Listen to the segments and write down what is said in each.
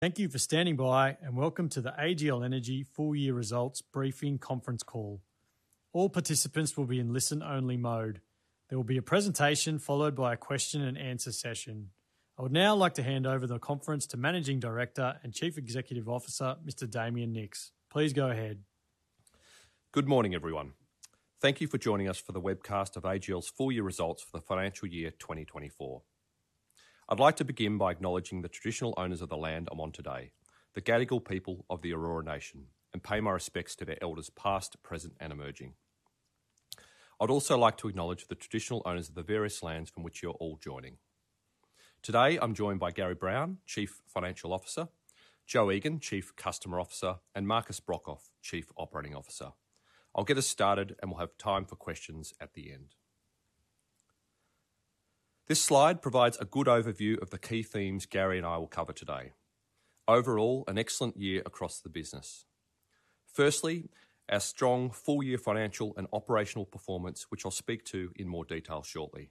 Thank you for standing by, and welcome to the AGL Energy full year results briefing conference call. All participants will be in listen-only mode. There will be a presentation followed by a question-and-answer session. I would now like to hand over the conference to Managing Director and Chief Executive Officer, Mr. Damien Nicks. Please go ahead. Good morning, everyone. Thank you for joining us for the webcast of AGL's full year results for the financial year 2024. I'd like to begin by acknowledging the traditional owners of the land I'm on today, the Gadigal people of the Eora Nation, and pay my respects to their elders past, present, and emerging. I'd also like to acknowledge the traditional owners of the various lands from which you're all joining. Today, I'm joined by Gary Brown, Chief Financial Officer, Jo Egan, Chief Customer Officer, and Markus Brokhof, Chief Operating Officer. I'll get us started, and we'll have time for questions at the end. This slide provides a good overview of the key themes Gary and I will cover today. Overall, an excellent year across the business. Firstly, our strong full-year financial and operational performance, which I'll speak to in more detail shortly.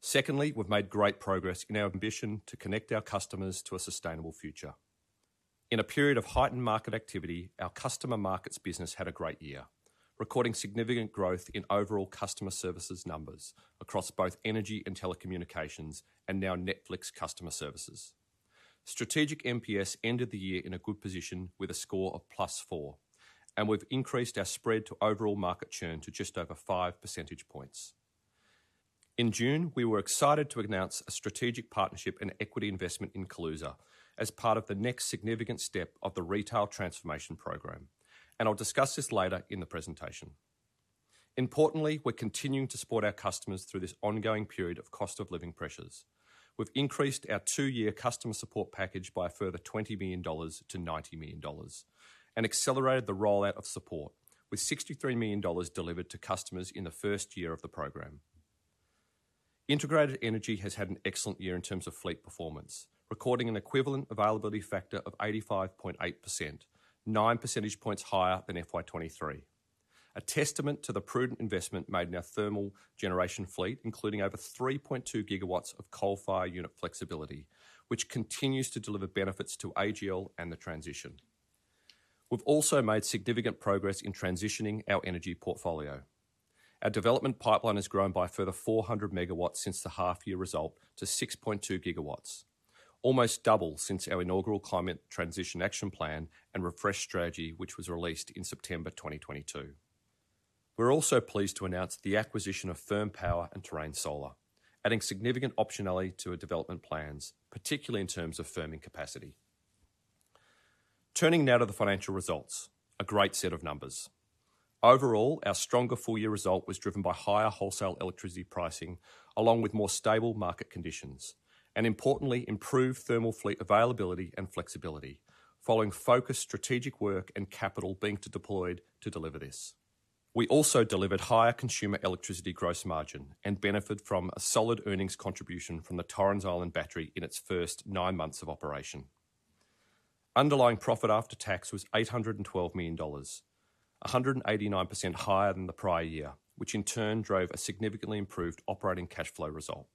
Secondly, we've made great progress in our ambition to connect our customers to a sustainable future. In a period of heightened market activity, our Customer markets business had a great year, recording significant growth in overall customer services numbers across both energy and telecommunications and now Netflix customer services. Strategic NPS ended the year in a good position with a score of +4, and we've increased our spread to overall market churn to just over 5 percentage points. In June, we were excited to announce a strategic partnership and equity investment in Kaluza as part of the next significant step of the Retail Transformation Program, and I'll discuss this later in the presentation. Importantly, we're continuing to support our customers through this ongoing period of cost of living pressures. We've increased our two-year customer support package by a further 20 million dollars to 90 million dollars and accelerated the rollout of support, with 63 million dollars delivered to customers in the first year of the program. Integrated Energy has had an excellent year in terms of fleet performance, recording an equivalent availability factor of 85.8%, 9 percentage points higher than FY 2023. A testament to the prudent investment made in our thermal generation fleet, including over 3.2 GW of coal-fired unit flexibility, which continues to deliver benefits to AGL and the transition. We've also made significant progress in transitioning our energy portfolio. Our development pipeline has grown by a further 400 MW since the half year result to 6.2 GW, almost double since our inaugural Climate Transition Action Plan and Refresh strategy, which was released in September 2022. We're also pleased to announce the acquisition of Firm Power and Terrain Solar, adding significant optionality to our development plans, particularly in terms of firming capacity. Turning now to the financial results, a great set of numbers. Overall, our stronger full-year result was driven by higher wholesale electricity pricing, along with more stable market conditions, and importantly, improved thermal fleet availability and flexibility following focused strategic work and capital being deployed to deliver this. We also delivered higher consumer electricity gross margin and benefited from a solid earnings contribution from the Torrens Island Battery in its first nine months of operation. Underlying profit after tax was 812 million dollars, 189% higher than the prior year, which in turn drove a significantly improved operating cash flow result.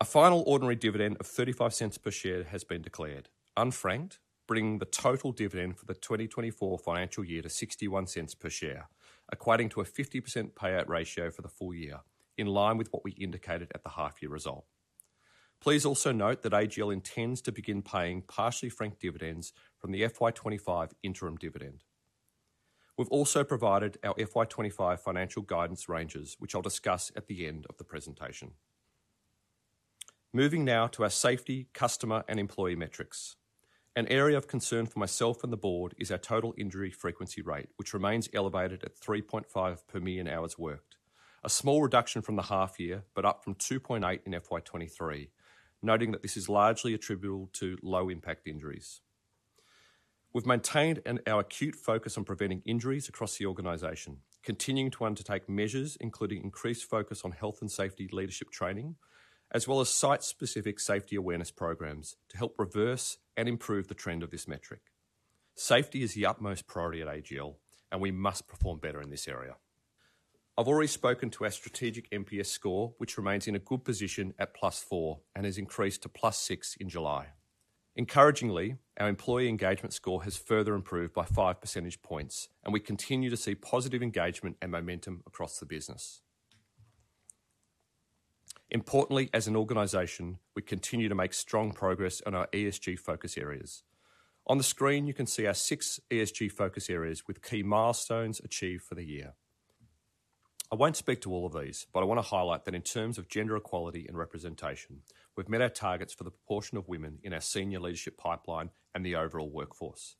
A final ordinary dividend of 0.35 per share has been declared, unfranked, bringing the total dividend for the 2024 financial year to 0.61 per share, equating to a 50% payout ratio for the full year, in line with what we indicated at the half year result. Please also note that AGL intends to begin paying partially franked dividends from the FY 2025 interim dividend. We've also provided our FY 2025 financial guidance ranges, which I'll discuss at the end of the presentation. Moving now to our safety, customer, and employee metrics. An area of concern for myself and the board is our total injury frequency rate, which remains elevated at 3.5 per million hours worked. A small reduction from the half year, but up from 2.8 in FY 2023, noting that this is largely attributable to low impact injuries. We've maintained our acute focus on preventing injuries across the organization, continuing to undertake measures, including increased focus on health and safety leadership training, as well as site-specific safety awareness programs to help reverse and improve the trend of this metric. Safety is the utmost priority at AGL, and we must perform better in this area. I've already spoken to our strategic NPS score, which remains in a good position at +4 and has increased to +6 in July. Encouragingly, our employee engagement score has further improved by five percentage points, and we continue to see positive engagement and momentum across the business. Importantly, as an organization, we continue to make strong progress on our ESG focus areas. On the screen, you can see our six ESG focus areas with key milestones achieved for the year. I won't speak to all of these, but I want to highlight that in terms of gender equality and representation, we've met our targets for the proportion of women in our senior leadership pipeline and the overall workforce,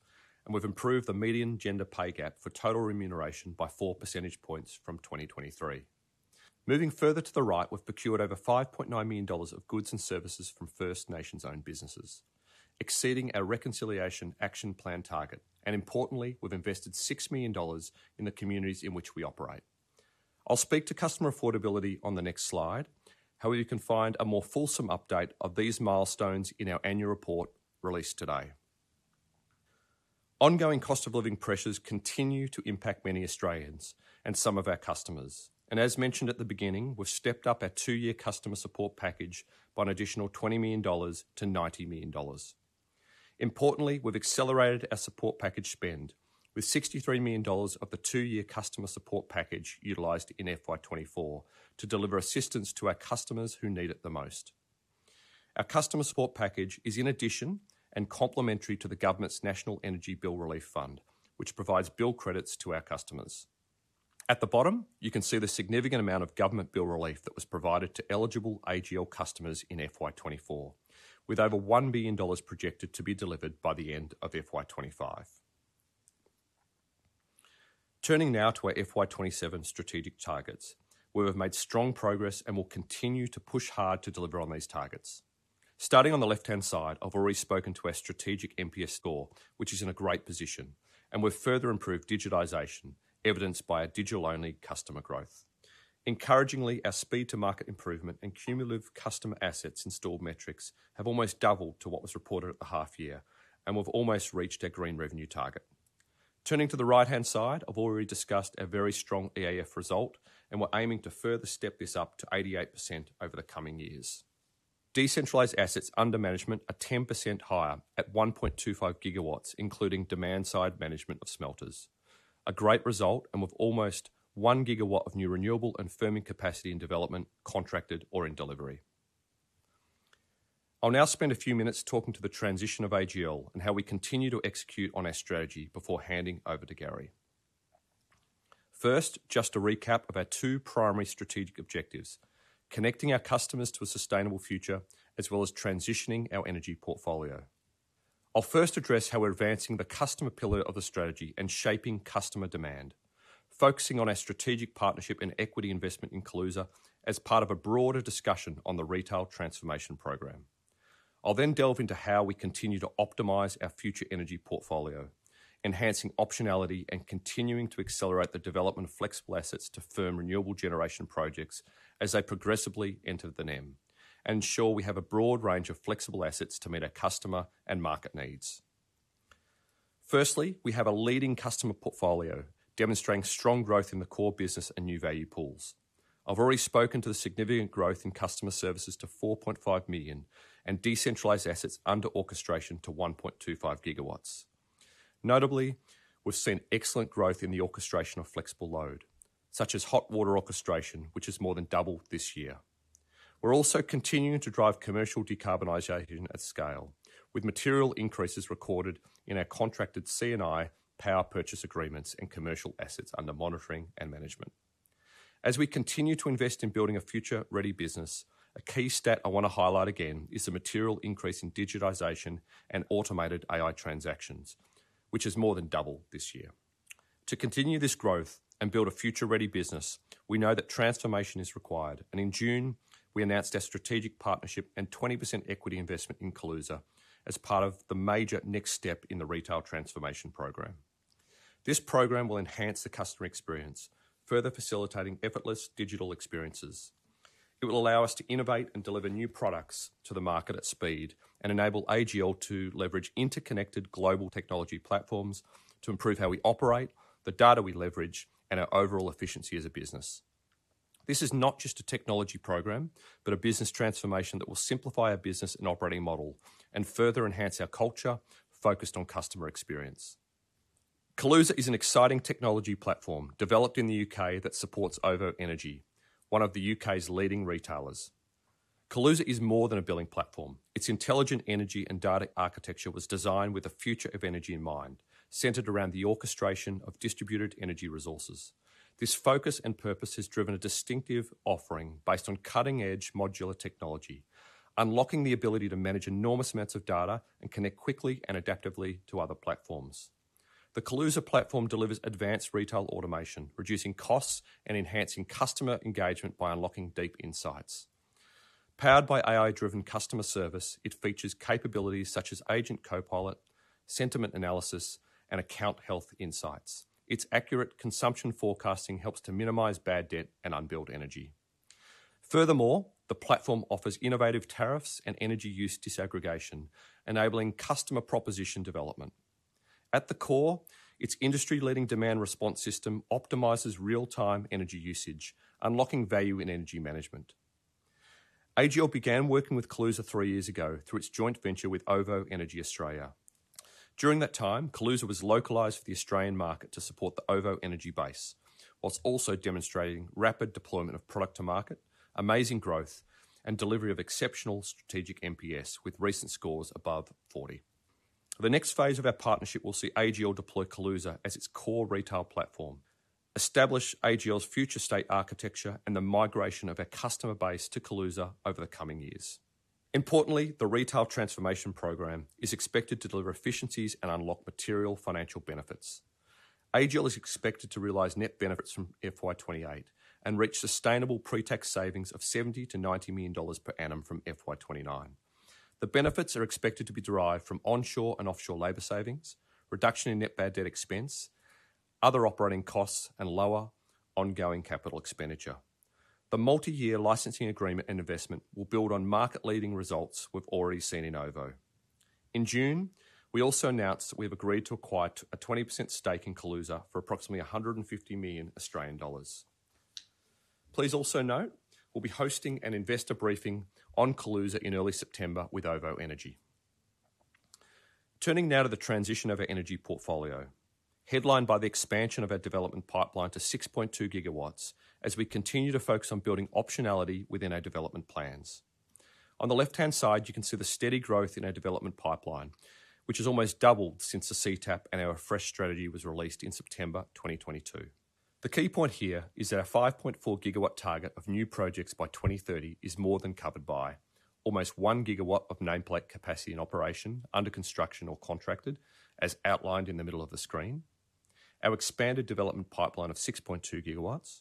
and we've improved the median gender pay gap for total remuneration by 4 percentage points from 2023. Moving further to the right, we've procured over 5.9 million dollars of goods and services from First Nations-owned businesses, exceeding our Reconciliation Action Plan target, and importantly, we've invested 6 million dollars in the communities in which we operate. I'll speak to customer affordability on the next slide. However, you can find a more fulsome update of these milestones in our annual report released today. Ongoing cost of living pressures continue to impact many Australians and some of our customers. As mentioned at the beginning, we've stepped up our two-year customer support package by an additional 20 million dollars to 90 million dollars. Importantly, we've accelerated our support package spend, with 63 million dollars of the two-year customer support package utilized in FY 2024 to deliver assistance to our customers who need it the most. Our customer support package is in addition and complementary to the government's National Energy Bill Relief Fund, which provides bill credits to our customers. At the bottom, you can see the significant amount of government bill relief that was provided to eligible AGL customers in FY 2024, with over 1 billion dollars projected to be delivered by the end of FY 2025. Turning now to our FY 2027 strategic targets, where we've made strong progress and will continue to push hard to deliver on these targets. Starting on the left-hand side, I've already spoken to our strategic NPS score, which is in a great position, and we've further improved digitization, evidenced by a digital-only customer growth. Encouragingly, our speed to market improvement and cumulative customer assets installed metrics have almost doubled to what was reported at the half year, and we've almost reached our green revenue target. Turning to the right-hand side, I've already discussed a very strong EAF result, and we're aiming to further step this up to 88% over the coming years. Decentralized assets under management are 10% higher at 1.25 GW, including demand-side management of smelters. A great result, and with almost 1 GW of new renewable and firming capacity in development, contracted, or in delivery. I'll now spend a few minutes talking to the transition of AGL and how we continue to execute on our strategy before handing over to Gary. First, just a recap of our two primary strategic objectives: connecting our customers to a sustainable future, as well as transitioning our energy portfolio. I'll first address how we're advancing the customer pillar of the strategy and shaping customer demand, focusing on our strategic partnership and equity investment in Kaluza as part of a broader discussion on the retail transformation program. I'll then delve into how we continue to optimize our future energy portfolio, enhancing optionality, and continuing to accelerate the development of flexible assets to firm renewable generation projects as they progressively enter the NEM, ensure we have a broad range of flexible assets to meet our customer and market needs. Firstly, we have a leading customer portfolio demonstrating strong growth in the core business and new value pools. I've already spoken to the significant growth in customer services to 4.5 million and decentralized assets under orchestration to 1.25 GW. Notably, we've seen excellent growth in the orchestration of flexible load, such as hot water orchestration, which has more than doubled this year. We're also continuing to drive commercial decarbonization at scale, with material increases recorded in our contracted C&I power purchase agreements and commercial assets under monitoring and management. As we continue to invest in building a future-ready business, a key stat I want to highlight again is the material increase in digitization and automated AI transactions, which has more than doubled this year. To continue this growth and build a future-ready business, we know that transformation is required, and in June, we announced our strategic partnership and 20% equity investment in Kaluza as part of the major next step in the retail transformation program. This program will enhance the customer experience, further facilitating effortless digital experiences. It will allow us to innovate and deliver new products to the market at speed and enable AGL to leverage interconnected global technology platforms to improve how we operate, the data we leverage, and our overall efficiency as a business. This is not just a technology program, but a business transformation that will simplify our business and operating model and further enhance our culture focused on customer experience. Kaluza is an exciting technology platform developed in the U.K. that supports OVO Energy, one of the U.K.'s leading retailers. Kaluza is more than a billing platform. Its intelligent energy and data architecture was designed with the future of energy in mind, centered around the orchestration of distributed energy resources. This focus and purpose has driven a distinctive offering based on cutting-edge modular technology, unlocking the ability to manage enormous amounts of data and connect quickly and adaptively to other platforms. The Kaluza platform delivers advanced retail automation, reducing costs and enhancing customer engagement by unlocking deep insights. Powered by AI-driven customer service, it features capabilities such as Agent Copilot, sentiment analysis, and account health insights. Its accurate consumption forecasting helps to minimize bad debt and unbilled energy. Furthermore, the platform offers innovative tariffs and energy use disaggregation, enabling customer proposition development. At the core, its industry-leading demand response system optimizes real-time energy usage, unlocking value in energy management. AGL began working with Kaluza three years ago through its joint venture with OVO Energy Australia. During that time, Kaluza was localized for the Australian market to support the OVO Energy base, while also demonstrating rapid deployment of product to market, amazing growth, and delivery of exceptional strategic NPS, with recent scores above 40. The next phase of our partnership will see AGL deploy Kaluza as its core retail platform, establish AGL's future state architecture, and the migration of our customer base to Kaluza over the coming years. Importantly, the Retail Transformation Program is expected to deliver efficiencies and unlock material financial benefits. AGL is expected to realize net benefits from FY 28 and reach sustainable pre-tax savings of 70-90 million dollars per annum from FY 29. The benefits are expected to be derived from onshore and offshore labor savings, reduction in net bad debt expense, other operating costs, and lower ongoing capital expenditure. The multi-year licensing agreement and investment will build on market-leading results we've already seen in OVO. In June, we also announced that we have agreed to acquire a 20% stake in Kaluza for approximately 150 million Australian dollars. Please also note, we'll be hosting an investor briefing on Kaluza in early September with OVO Energy. Turning now to the transition of our energy portfolio, headlined by the expansion of our development pipeline to 6.2 GW, as we continue to focus on building optionality within our development plans. On the left-hand side, you can see the steady growth in our development pipeline, which has almost doubled since the CTAP and our fresh strategy was released in September 2022. The key point here is that our 5.4 GW target of new projects by 2030 is more than covered by almost 1 GW of nameplate capacity and operation under construction or contracted, as outlined in the middle of the screen. Our expanded development pipeline of 6.2 GW,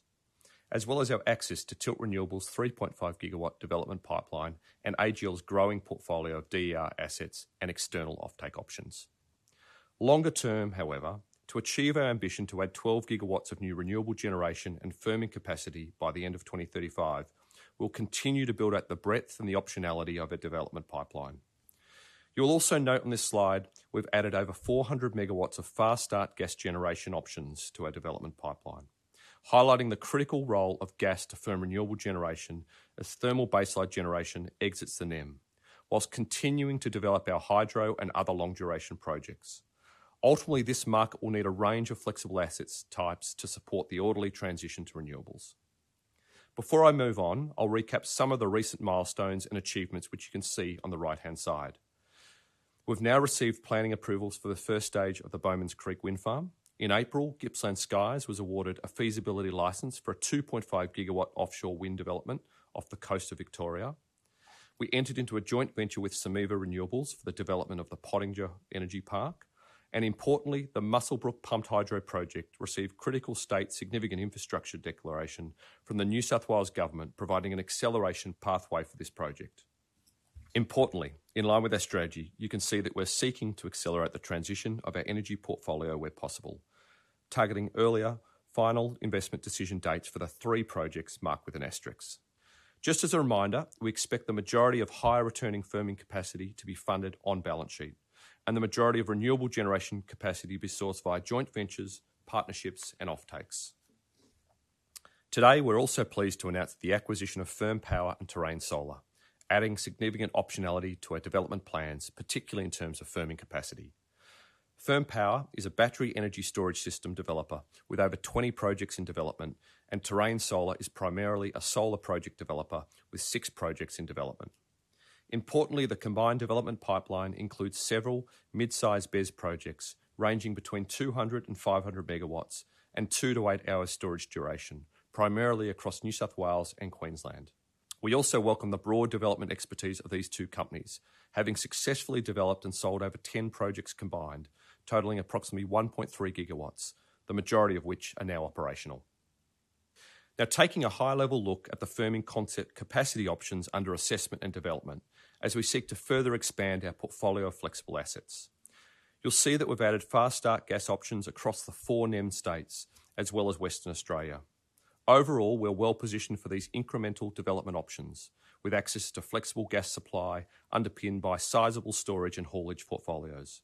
as well as our access to Tilt Renewables' 3.5 GW development pipeline and AGL's growing portfolio of DER assets and external offtake options. Longer term, however, to achieve our ambition to add 12 GW of new renewable generation and firming capacity by the end of 2035, we'll continue to build out the breadth and the optionality of our development pipeline. You'll also note on this slide, we've added over 400 MW of fast start gas generation options to our development pipeline, highlighting the critical role of gas to firm renewable generation as thermal baseload generation exits the NEM, while continuing to develop our hydro and other long-duration projects. Ultimately, this market will need a range of flexible asset types to support the orderly transition to renewables. Before I move on, I'll recap some of the recent milestones and achievements, which you can see on the right-hand side. We've now received planning approvals for the first stage of the Bowmans Creek Wind Farm. In April, Gippsland Skies was awarded a feasibility license for a 2.5 GW offshore wind development off the coast of Victoria. We entered into a joint venture with Someva Renewables for the development of the Pottinger Energy Park, and importantly, the Muswellbrook Pumped Hydro Project received critical State Significant Infrastructure declaration from the New South Wales Government, providing an acceleration pathway for this project. Importantly, in line with our strategy, you can see that we're seeking to accelerate the transition of our energy portfolio where possible, targeting earlier final investment decision dates for the three projects marked with an asterisk. Just as a reminder, we expect the majority of high-returning firming capacity to be funded on-balance sheet, and the majority of renewable generation capacity be sourced via joint ventures, partnerships, and offtakes. Today, we're also pleased to announce the acquisition of Firm Power and Terrain Solar, adding significant optionality to our development plans, particularly in terms of firming capacity. Firm Power is a battery energy storage system developer with over 20 projects in development, and Terrain Solar is primarily a solar project developer with 6 projects in development. Importantly, the combined development pipeline includes several mid-size BESS projects, ranging between 200-500 MW and 2-8 hours storage duration, primarily across New South Wales and Queensland. We also welcome the broad development expertise of these two companies, having successfully developed and sold over 10 projects combined, totaling approximately 1.3 GW, the majority of which are now operational. Now, taking a high-level look at the firming concept capacity options under assessment and development as we seek to further expand our portfolio of flexible assets. You'll see that we've added fast start gas options across the four NEM states, as well as Western Australia. Overall, we're well positioned for these incremental development options, with access to flexible gas supply underpinned by sizable storage and haulage portfolios.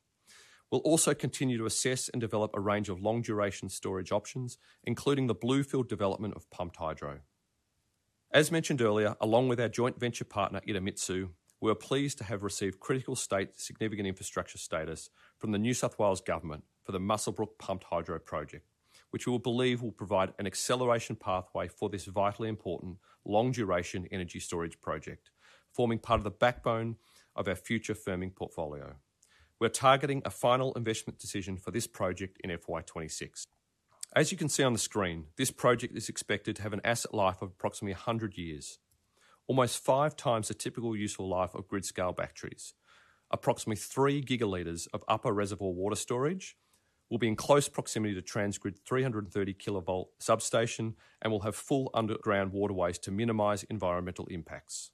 We'll also continue to assess and develop a range of long-duration storage options, including the Blue Field development of pumped hydro. As mentioned earlier, along with our joint venture partner, Idemitsu, we are pleased to have received critical State Significant Infrastructure status from the New South Wales Government for the Muswellbrook Pumped Hydro Project, which we believe will provide an acceleration pathway for this vitally important long-duration energy storage project, forming part of the backbone of our future firming portfolio. We're targeting a final investment decision for this project in FY 2026. As you can see on the screen, this project is expected to have an asset life of approximately 100 years, almost five times the typical useful life of grid-scale batteries. Approximately 3 gigaliters of upper reservoir water storage will be in close proximity to TransGrid, 330-kilovolt substation, and will have full underground waterways to minimize environmental impacts.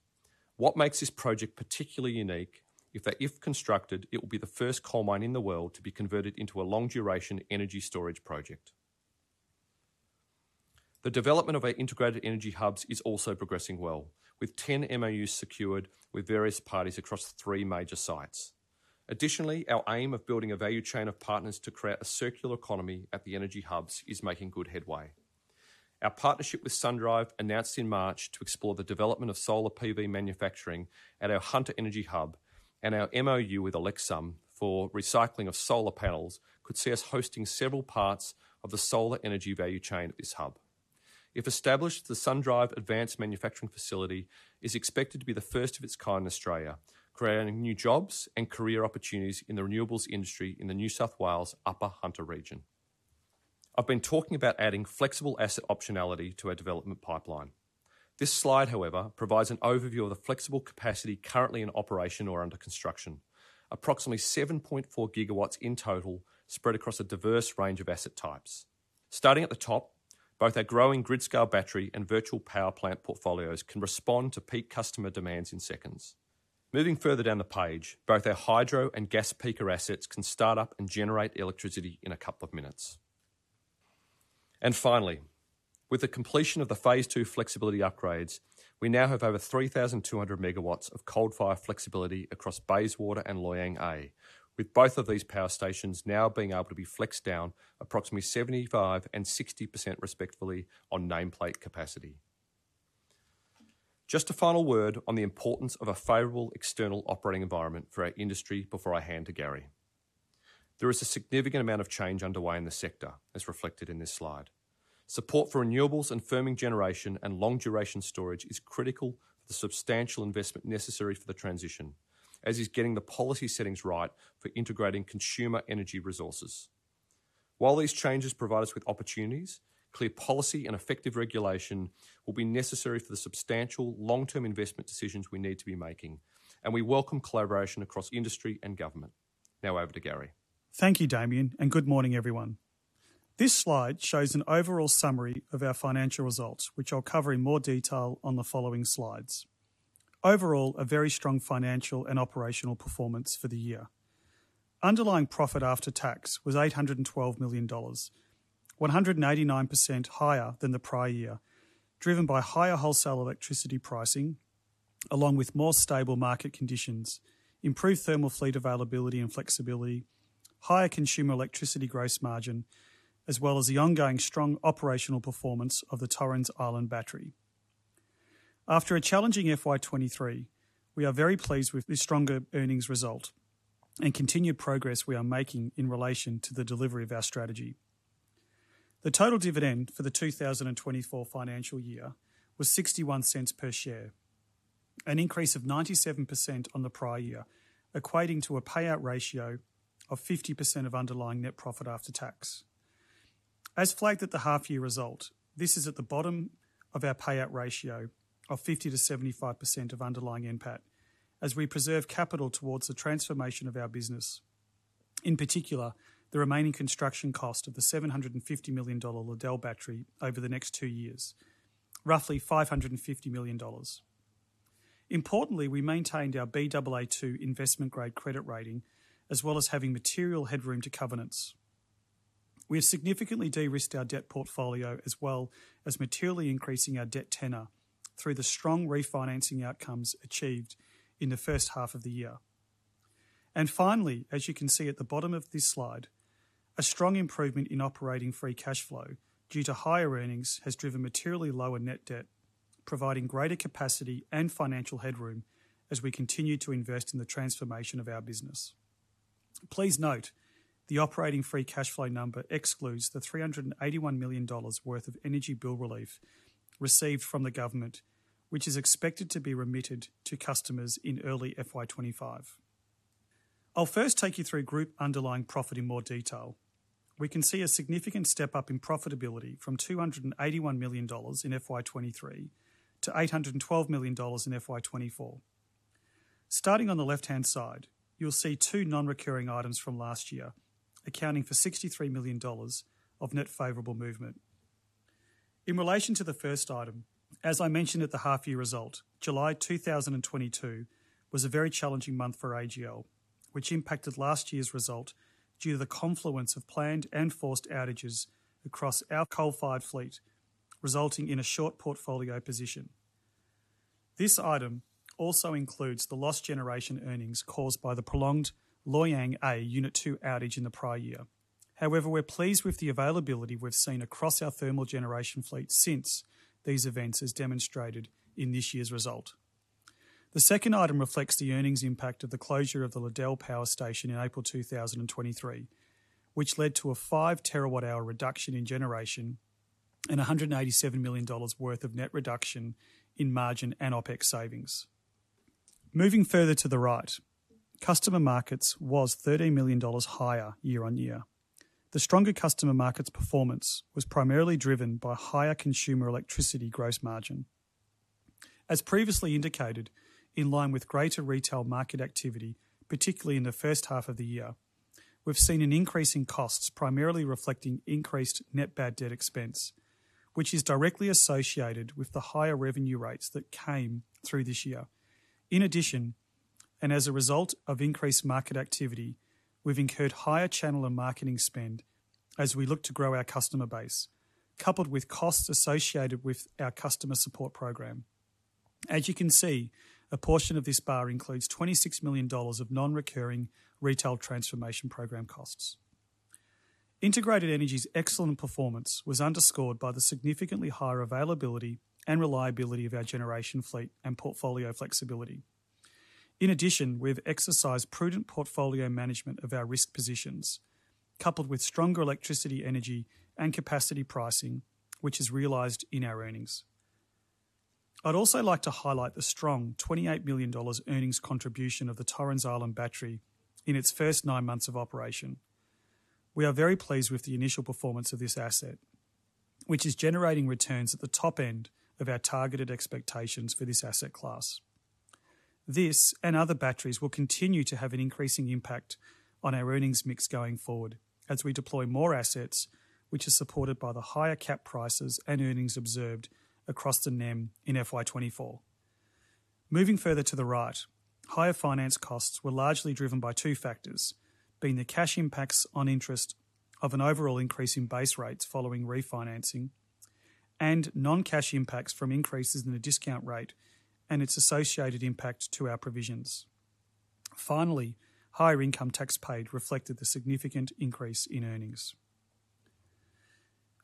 What makes this project particularly unique is that if constructed, it will be the first coal mine in the world to be converted into a long-duration energy storage project. The development of our integrated energy hubs is also progressing well, with 10 MOUs secured with various parties across 3 major sites. Additionally, our aim of building a value chain of partners to create a circular economy at the energy hubs is making good headway. Our partnership with SunDrive, announced in March to explore the development of solar PV manufacturing at our Hunter Energy Hub and our MOU with Elecsome for recycling of solar panels, could see us hosting several parts of the solar energy value chain at this hub. If established, the SunDrive advanced manufacturing facility is expected to be the first of its kind in Australia, creating new jobs and career opportunities in the renewables industry in the New South Wales Upper Hunter region. I've been talking about adding flexible asset optionality to our development pipeline. This slide, however, provides an overview of the flexible capacity currently in operation or under construction. Approximately 7.4 gigawatts in total, spread across a diverse range of asset types. Starting at the top, both our growing grid-scale battery and virtual power plant portfolios can respond to peak customer demands in seconds.... Moving further down the page, both our hydro and gas peaker assets can start up and generate electricity in a couple of minutes. Finally, with the completion of the phase two flexibility upgrades, we now have over 3,200 megawatts of coal-fired flexibility across Bayswater and Loy Yang A, with both of these power stations now being able to be flexed down approximately 75% and 60% respectively on nameplate capacity. Just a final word on the importance of a favorable external operating environment for our industry before I hand to Gary. There is a significant amount of change underway in the sector, as reflected in this slide. Support for renewables and firming generation and long-duration storage is critical for the substantial investment necessary for the transition, as is getting the policy settings right for integrating consumer energy resources. While these changes provide us with opportunities, clear policy and effective regulation will be necessary for the substantial long-term investment decisions we need to be making, and we welcome collaboration across industry and government. Now over to Gary. Thank you, Damien, and good morning, everyone. This slide shows an overall summary of our financial results, which I'll cover in more detail on the following slides. Overall, a very strong financial and operational performance for the year. Underlying profit after tax was 812 million dollars, 189% higher than the prior year, driven by higher wholesale electricity pricing, along with more stable market conditions, improved thermal fleet availability and flexibility, higher consumer electricity gross margin, as well as the ongoing strong operational performance of the Torrens Island Battery. After a challenging FY 2023, we are very pleased with this stronger earnings result and continued progress we are making in relation to the delivery of our strategy. The total dividend for the 2024 financial year was 0.61 per share, an increase of 97% on the prior year, equating to a payout ratio of 50% of underlying net profit after tax. As flagged at the half year result, this is at the bottom of our payout ratio of 50%-75% of underlying NPAT, as we preserve capital towards the transformation of our business, in particular, the remaining construction cost of the 750 million dollar Liddell Battery over the next two years, roughly 550 million dollars. Importantly, we maintained our Baa2 investment-grade credit rating, as well as having material headroom to covenants. We have significantly de-risked our debt portfolio, as well as materially increasing our debt tenor through the strong refinancing outcomes achieved in the first half of the year. Finally, as you can see at the bottom of this slide, a strong improvement in operating free cash flow due to higher earnings has driven materially lower net debt, providing greater capacity and financial headroom as we continue to invest in the transformation of our business. Please note, the operating free cash flow number excludes the 381 million dollars worth of energy bill relief received from the government, which is expected to be remitted to customers in early FY 2025. I'll first take you through group underlying profit in more detail. We can see a significant step-up in profitability from 281 million dollars in FY 2023 to 812 million dollars in FY 2024. Starting on the left-hand side, you'll see two non-recurring items from last year, accounting for 63 million dollars of net favorable movement. In relation to the first item, as I mentioned at the half year result, July 2022 was a very challenging month for AGL, which impacted last year's result due to the confluence of planned and forced outages across our coal-fired fleet, resulting in a short portfolio position. This item also includes the lost generation earnings caused by the prolonged Loy Yang A Unit 2 outage in the prior year. However, we're pleased with the availability we've seen across our thermal generation fleet since these events, as demonstrated in this year's result. The second item reflects the earnings impact of the closure of the Liddell Power Station in April 2023, which led to a 5 terawatt hour reduction in generation and 187 million dollars worth of net reduction in margin and OpEx savings. Moving further to the right, customer markets was 13 million dollars higher year-on-year. The stronger customer markets performance was primarily driven by higher consumer electricity gross margin. As previously indicated, in line with greater retail market activity, particularly in the first half of the year, we've seen an increase in costs, primarily reflecting increased net bad debt expense, which is directly associated with the higher revenue rates that came through this year. In addition, and as a result of increased market activity, we've incurred higher channel and marketing spend as we look to grow our customer base, coupled with costs associated with our customer support program. As you can see, a portion of this bar includes 26 million dollars of non-recurring retail transformation program costs. Integrated Energy's excellent performance was underscored by the significantly higher availability and reliability of our generation fleet and portfolio flexibility. In addition, we've exercised prudent portfolio management of our risk positions, coupled with stronger electricity energy and capacity pricing, which is realized in our earnings. I'd also like to highlight the strong 28 million dollars earnings contribution of the Torrens Island Battery in its first 9 months of operation. We are very pleased with the initial performance of this asset, which is generating returns at the top end of our targeted expectations for this asset class. This and other batteries will continue to have an increasing impact on our earnings mix going forward as we deploy more assets, which are supported by the higher cap prices and earnings observed across the NEM in FY 2024.... Moving further to the right, higher finance costs were largely driven by two factors, being the cash impacts on interest of an overall increase in base rates following refinancing and non-cash impacts from increases in the discount rate and its associated impact to our provisions. Finally, higher income tax paid reflected the significant increase in earnings.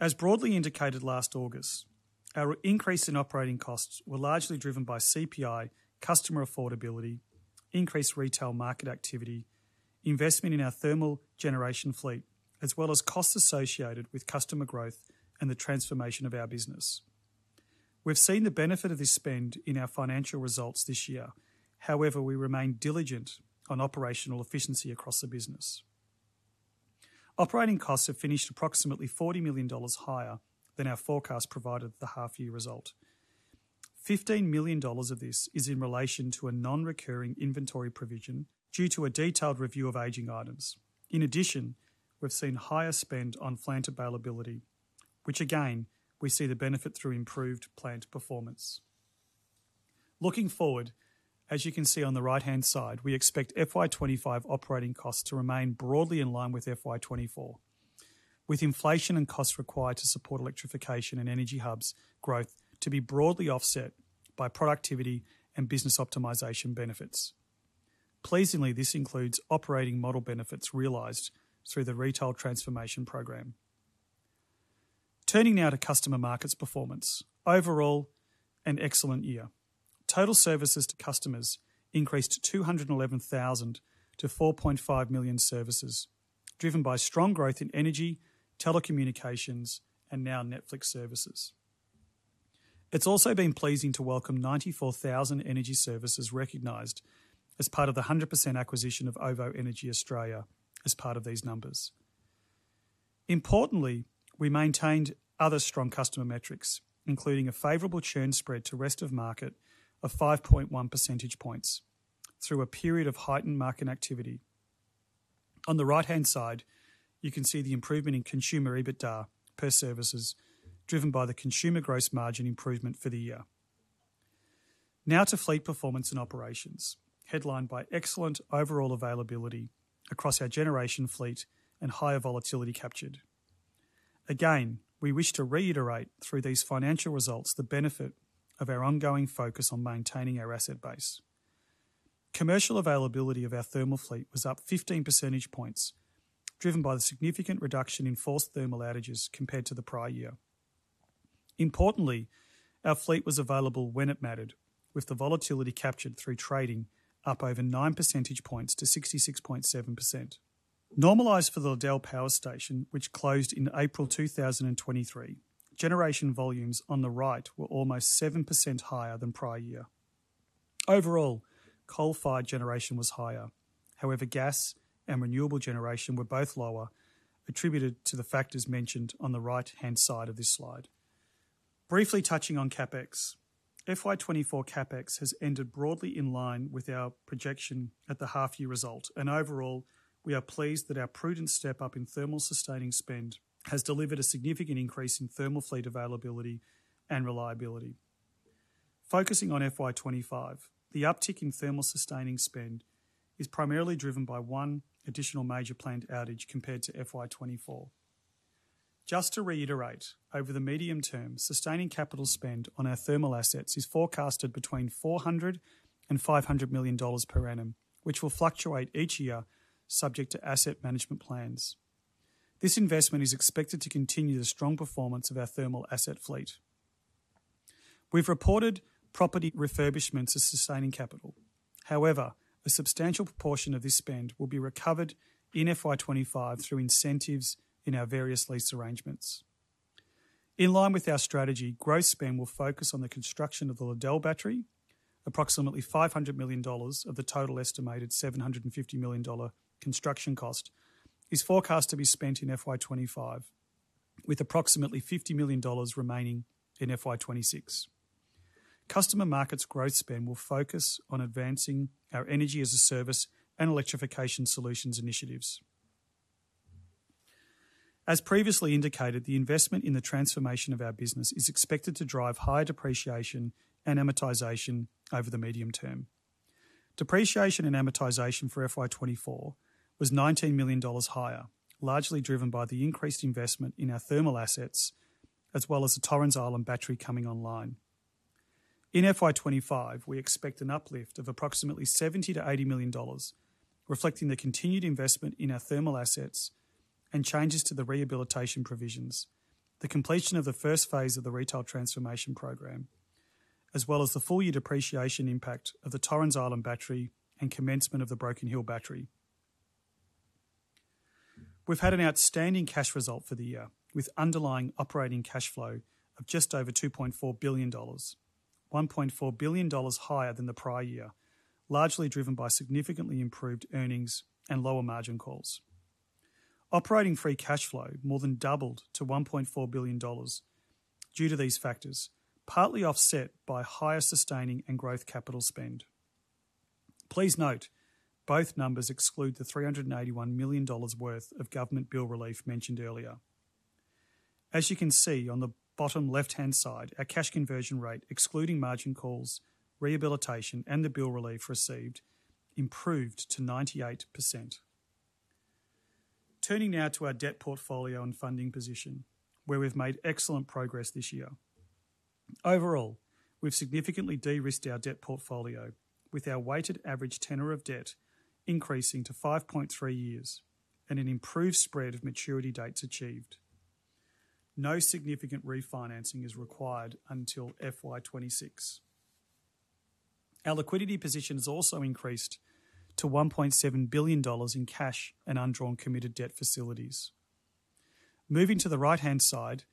As broadly indicated last August, our increase in operating costs were largely driven by CPI, customer affordability, increased retail market activity, investment in our thermal generation fleet, as well as costs associated with customer growth and the transformation of our business. We've seen the benefit of this spend in our financial results this year. However, we remain diligent on operational efficiency across the business. Operating costs have finished approximately 40 million dollars higher than our forecast provided the half-year result. $15 million of this is in relation to a non-recurring inventory provision due to a detailed review of aging items. In addition, we've seen higher spend on plant availability, which again, we see the benefit through improved plant performance. Looking forward, as you can see on the right-hand side, we expect FY 2025 operating costs to remain broadly in line with FY 2024, with inflation and costs required to support electrification and energy hubs growth to be broadly offset by productivity and business optimization benefits. Pleasingly, this includes operating model benefits realized through the retail transformation program. Turning now to customer markets performance. Overall, an excellent year. Total services to customers increased to 211,000 to 4.5 million services, driven by strong growth in energy, telecommunications, and now Netflix services. It's also been pleasing to welcome 94,000 energy services recognized as part of the 100% acquisition of OVO Energy Australia as part of these numbers. Importantly, we maintained other strong customer metrics, including a favorable churn spread to rest of market of 5.1 percentage points through a period of heightened market activity. On the right-hand side, you can see the improvement in consumer EBITDA per services, driven by the consumer gross margin improvement for the year. Now to fleet performance and operations, headlined by excellent overall availability across our generation fleet and higher volatility captured. Again, we wish to reiterate through these financial results the benefit of our ongoing focus on maintaining our asset base. Commercial availability of our thermal fleet was up 15 percentage points, driven by the significant reduction in forced thermal outages compared to the prior year. Importantly, our fleet was available when it mattered, with the volatility captured through trading up over 9 percentage points to 66.7%. Normalized for the Liddell Power Station, which closed in April 2023, generation volumes on the right were almost 7% higher than prior year. Overall, coal-fired generation was higher. However, gas and renewable generation were both lower, attributed to the factors mentioned on the right-hand side of this slide. Briefly touching on CapEx, FY 2024 CapEx has ended broadly in line with our projection at the half-year result, and overall, we are pleased that our prudent step-up in thermal sustaining spend has delivered a significant increase in thermal fleet availability and reliability. Focusing on FY 2025, the uptick in thermal sustaining spend is primarily driven by 1 additional major planned outage compared to FY 2024. Just to reiterate, over the medium term, sustaining capital spend on our thermal assets is forecasted between 400 million dollars and AUD 500 million per annum, which will fluctuate each year subject to asset management plans. This investment is expected to continue the strong performance of our thermal asset fleet. We've reported property refurbishments as sustaining capital. However, a substantial proportion of this spend will be recovered in FY 2025 through incentives in our various lease arrangements. In line with our strategy, growth spend will focus on the construction of the Liddell battery. Approximately 500 million dollars of the total estimated 750 million dollar construction cost is forecast to be spent in FY 2025, with approximately 50 million dollars remaining in FY 2026. Customer markets growth spend will focus on advancing our energy as a service and electrification solutions initiatives. As previously indicated, the investment in the transformation of our business is expected to drive higher depreciation and amortization over the medium term. Depreciation and amortization for FY 2024 was AUD 19 million higher, largely driven by the increased investment in our thermal assets, as well as the Torrens Island Battery coming online. In FY 2025, we expect an uplift of approximately 70 million-80 million dollars, reflecting the continued investment in our thermal assets and changes to the rehabilitation provisions, the completion of the first phase of the retail transformation program, as well as the full year depreciation impact of the Torrens Island Battery and commencement of the Broken Hill Battery. We've had an outstanding cash result for the year, with underlying operating cash flow of just over 2.4 billion dollars, 1.4 billion dollars higher than the prior year, largely driven by significantly improved earnings and lower margin calls. Operating free cash flow more than doubled to 1.4 billion dollars due to these factors, partly offset by higher sustaining and growth capital spend. Please note, both numbers exclude the 381 million dollars worth of government bill relief mentioned earlier. As you can see on the bottom left-hand side, our cash conversion rate, excluding margin calls, rehabilitation, and the bill relief received, improved to 98%. Turning now to our debt portfolio and funding position, where we've made excellent progress this year. Overall, we've significantly de-risked our debt portfolio, with our weighted average tenor of debt increasing to 5.3 years and an improved spread of maturity dates achieved. No significant refinancing is required until FY 2026. Our liquidity position has also increased to 1.7 billion dollars in cash and undrawn committed debt facilities. Moving to the right-hand side,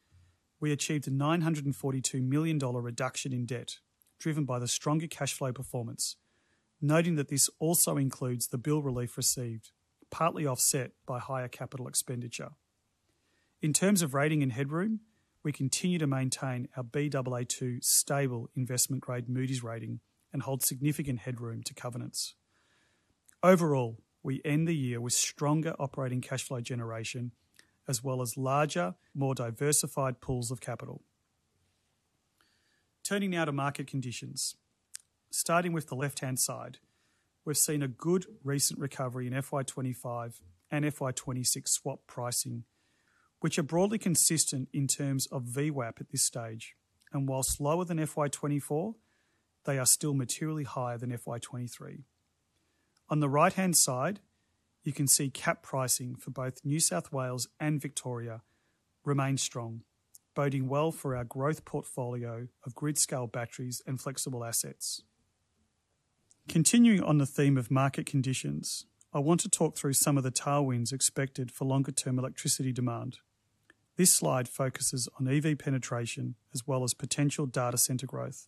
we achieved a 942 million dollar reduction in debt, driven by the stronger cash flow performance, noting that this also includes the bill relief received, partly offset by higher capital expenditure. In terms of rating and headroom, we continue to maintain our Baa2 stable investment-grade Moody's rating and hold significant headroom to covenants. Overall, we end the year with stronger operating cash flow generation, as well as larger, more diversified pools of capital. Turning now to market conditions. Starting with the left-hand side, we've seen a good recent recovery in FY 25 and FY 26 swap pricing, which are broadly consistent in terms of VWAP at this stage, and while lower than FY 24, they are still materially higher than FY 23. On the right-hand side, you can see cap pricing for both New South Wales and Victoria remains strong, boding well for our growth portfolio of grid-scale batteries and flexible assets. Continuing on the theme of market conditions, I want to talk through some of the tailwinds expected for longer-term electricity demand. This slide focuses on EV penetration, as well as potential data center growth.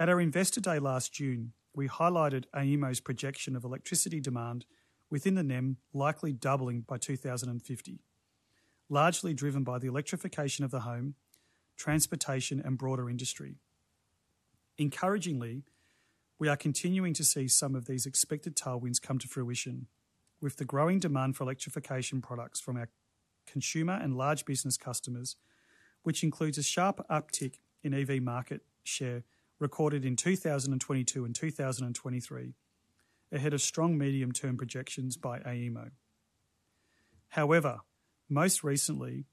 At our Investor Day last June, we highlighted AEMO's projection of electricity demand within the NEM, likely doubling by 2050, largely driven by the electrification of the home, transportation, and broader industry. Encouragingly, we are continuing to see some of these expected tailwinds come to fruition with the growing demand for electrification products from our consumer and large business customers, which includes a sharp uptick in EV market share recorded in 2022 and 2023, ahead of strong medium-term projections by AEMO. However, most recently,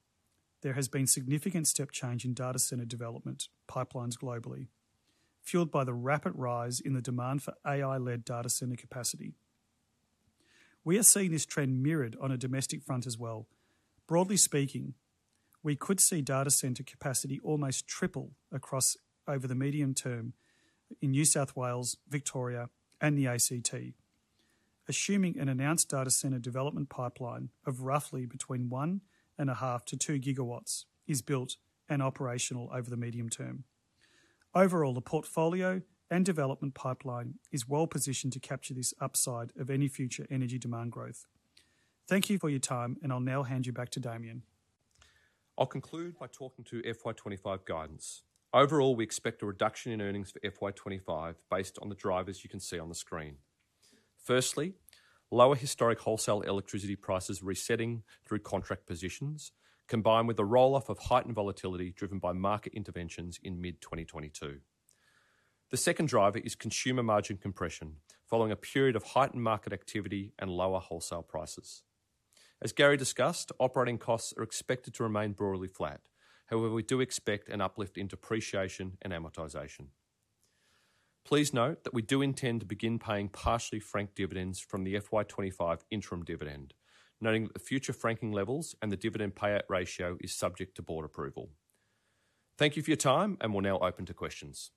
there has been significant step change in data center development pipelines globally, fueled by the rapid rise in the demand for AI-led data center capacity. We are seeing this trend mirrored on a domestic front as well. Broadly speaking, we could see data center capacity almost triple across over the medium term in New South Wales, Victoria, and the ACT, assuming an announced data center development pipeline of roughly between 1.5 to 2 GW is built and operational over the medium term. Overall, the portfolio and development pipeline is well positioned to capture this upside of any future energy demand growth. Thank you for your time, and I'll now hand you back to Damien. I'll conclude by talking to FY 25 guidance. Overall, we expect a reduction in earnings for FY 25 based on the drivers you can see on the screen. Firstly, lower historic wholesale electricity prices resetting through contract positions, combined with the roll-off of heightened volatility driven by market interventions in mid-2022. The second driver is consumer margin compression, following a period of heightened market activity and lower wholesale prices. As Gary discussed, operating costs are expected to remain broadly flat. However, we do expect an uplift in depreciation and amortization. Please note that we do intend to begin paying partially franked dividends from the FY 25 interim dividend, noting that the future franking levels and the dividend payout ratio is subject to board approval. Thank you for your time, and we'll now open to questions.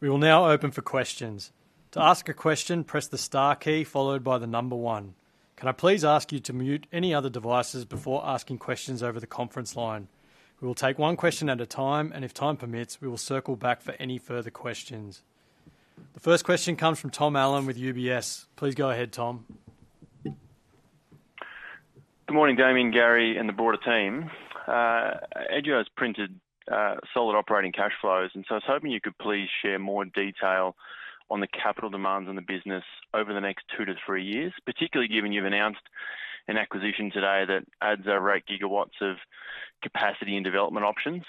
We will now open for questions. To ask a question, press the star key followed by the number one. Can I please ask you to mute any other devices before asking questions over the conference line? We will take one question at a time, and if time permits, we will circle back for any further questions. The first question comes from Tom Allen with UBS. Please go ahead, Tom. Good morning, Damien, Gary, and the broader team. AGL has printed solid operating cash flows, and so I was hoping you could please share more detail on the capital demands on the business over the next two to three years, particularly given you've announced an acquisition today that adds over 8 gigawatts of capacity and development options.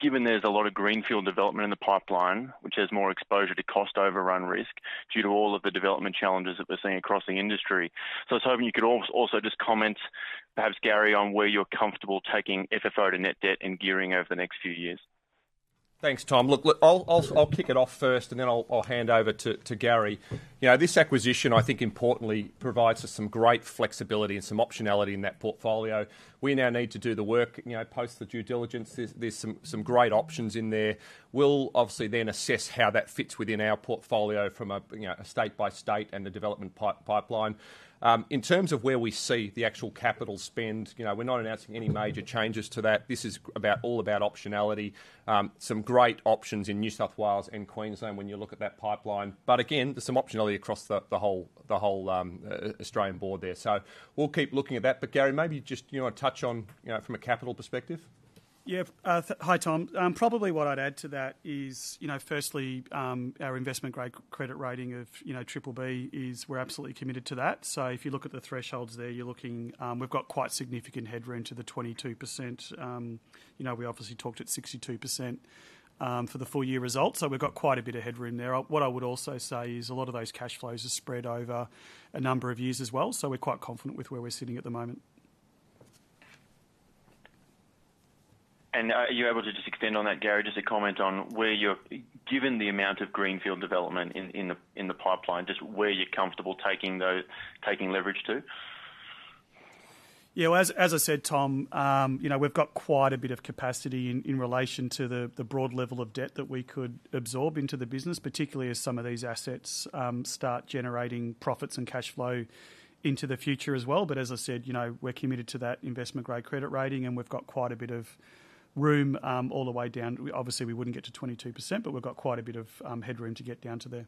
Given there's a lot of greenfield development in the pipeline, which has more exposure to cost overrun risk due to all of the development challenges that we're seeing across the industry. So I was hoping you could also just comment, perhaps, Gary, on where you're comfortable taking FFO to net debt and gearing over the next few years. Thanks, Tom. Look, I'll kick it off first, and then I'll hand over to Gary. You know, this acquisition, I think, importantly, provides us some great flexibility and some optionality in that portfolio. We now need to do the work, you know, post the due diligence. There's some great options in there. We'll obviously then assess how that fits within our portfolio from a, you know, a state by state and the development pipeline. In terms of where we see the actual capital spend, you know, we're not announcing any major changes to that. This is all about optionality. Some great options in New South Wales and Queensland when you look at that pipeline, but again, there's some optionality across the whole Australian broad there. So we'll keep looking at that. But Gary, maybe just, you know, touch on, you know, from a capital perspective. ... Yeah, hi, Tom. Probably what I'd add to that is, you know, firstly, our investment-grade credit rating of, you know, triple B is we're absolutely committed to that. So if you look at the thresholds there, you're looking, we've got quite significant headroom to the 22%. You know, we obviously talked at 62%, for the full year results, so we've got quite a bit of headroom there. What I would also say is a lot of those cash flows are spread over a number of years as well, so we're quite confident with where we're sitting at the moment. Are you able to just extend on that, Gary? Just a comment on where you're, given the amount of greenfield development in the pipeline, just where you're comfortable taking leverage to? Yeah, as I said, Tom, you know, we've got quite a bit of capacity in relation to the broad level of debt that we could absorb into the business, particularly as some of these assets start generating profits and cash flow into the future as well. But as I said, you know, we're committed to that investment-grade credit rating, and we've got quite a bit of room all the way down. Obviously, we wouldn't get to 22%, but we've got quite a bit of headroom to get down to there.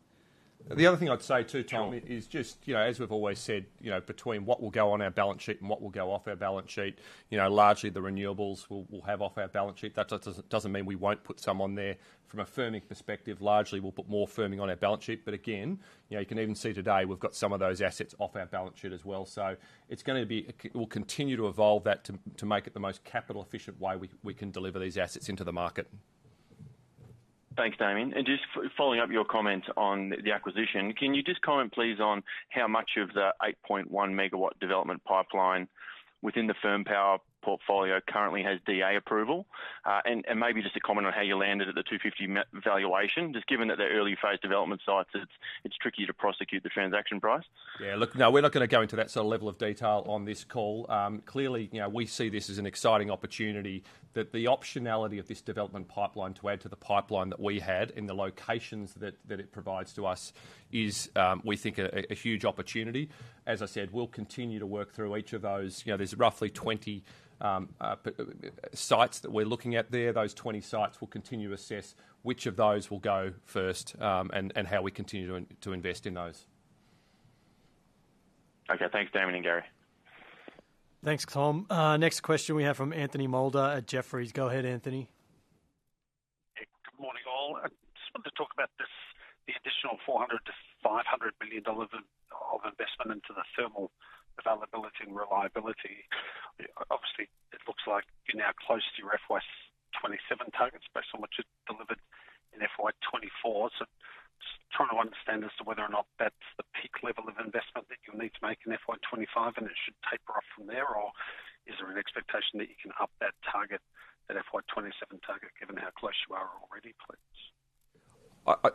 The other thing I'd say too, Tom- Sure. is just, you know, as we've always said, you know, between what will go on our balance sheet and what will go off our balance sheet, you know, largely the renewables we'll have off our balance sheet. That doesn't mean we won't put some on there. From a firming perspective, largely we'll put more firming on our balance sheet, but again, you know, you can even see today we've got some of those assets off our balance sheet as well. So we'll continue to evolve that to make it the most capital efficient way we can deliver these assets into the market. Thanks, Damien. And just following up your comment on the acquisition, can you just comment, please, on how much of the 8.1 GW development pipeline within the Firm Power portfolio currently has DA approval? And maybe just a comment on how you landed at the 250 million valuation, just given that they're early phase development sites, it's tricky to prosecute the transaction price. Yeah, look, no, we're not going to go into that sort of level of detail on this call. Clearly, you know, we see this as an exciting opportunity, that the optionality of this development pipeline to add to the pipeline that we had, and the locations that, that it provides to us is, we think a huge opportunity. As I said, we'll continue to work through each of those. You know, there's roughly 20 sites that we're looking at there. Those 20 sites, we'll continue to assess which of those will go first, and how we continue to invest in those. Okay. Thanks, Damien and Gary. Thanks, Tom. Next question we have from Anthony Moulder at Jefferies. Go ahead, Anthony. Hey, good morning, all. I just wanted to talk about this, the additional $400 million-$500 million of investment into the thermal availability and reliability. Obviously, it looks like you're now close to your FY 2027 targets, based on what you delivered in FY 2024. So just trying to understand as to whether or not that's the peak level of investment that you'll need to make in FY 2025 and it should taper off from there, or is there an expectation that you can up that target, that FY 2027 target, given how close you are already, please?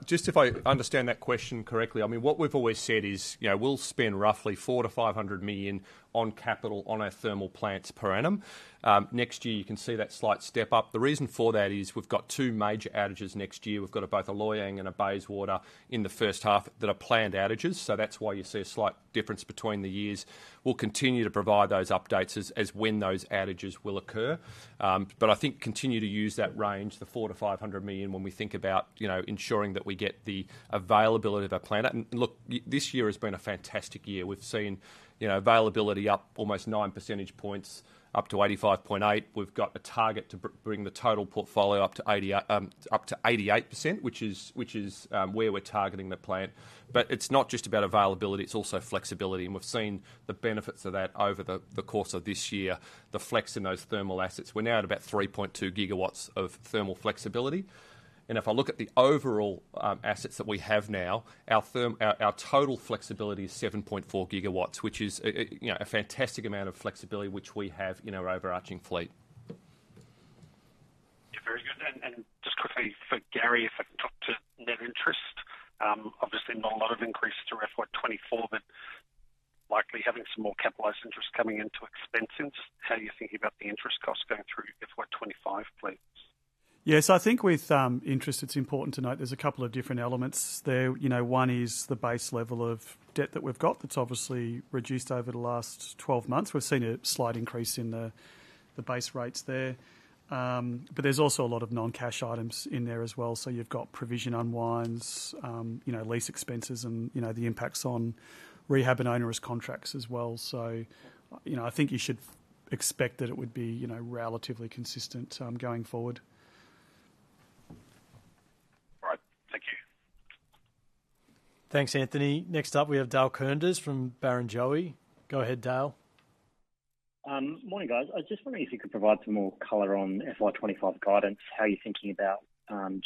Just if I understand that question correctly, I mean, what we've always said is, you know, we'll spend roughly 400 million-500 million on capital on our thermal plants per annum. Next year, you can see that slight step up. The reason for that is we've got two major outages next year. We've got both a Loy Yang and a Bayswater in the first half that are planned outages, so that's why you see a slight difference between the years. We'll continue to provide those updates as when those outages will occur. But I think continue to use that range, the 400 million-500 million, when we think about, you know, ensuring that we get the availability of our plant. And look, this year has been a fantastic year. We've seen, you know, availability up almost nine percentage points, up to 85.8. We've got a target to bring the total portfolio up to 80, up to 88%, which is, which is, where we're targeting the plant. But it's not just about availability, it's also flexibility, and we've seen the benefits of that over the course of this year, the flex in those thermal assets. We're now at about 3.2 GW of thermal flexibility, and if I look at the overall, assets that we have now, our total flexibility is 7.4 GW, which is a, a, you know, a fantastic amount of flexibility, which we have in our overarching fleet. Yeah, very good. And just quickly for Gary, if I can talk to net interest, obviously not a lot of increase to FY 2024, but likely having some more capitalized interest coming into expenses. How are you thinking about the interest costs going through FY 2025, please? Yes, I think with interest, it's important to note there's a couple of different elements there. You know, one is the base level of debt that we've got. That's obviously reduced over the last 12 months. We've seen a slight increase in the, the base rates there, but there's also a lot of non-cash items in there as well. So you've got provision unwinds, you know, lease expenses and, you know, the impacts on rehab and onerous contracts as well. So, you know, I think you should expect that it would be, you know, relatively consistent, going forward. All right. Thank you. Thanks, Anthony. Next up, we have Dale Koenders from Barrenjoey. Go ahead, Dale. Morning, guys. I was just wondering if you could provide some more color on FY 25 guidance, how you're thinking about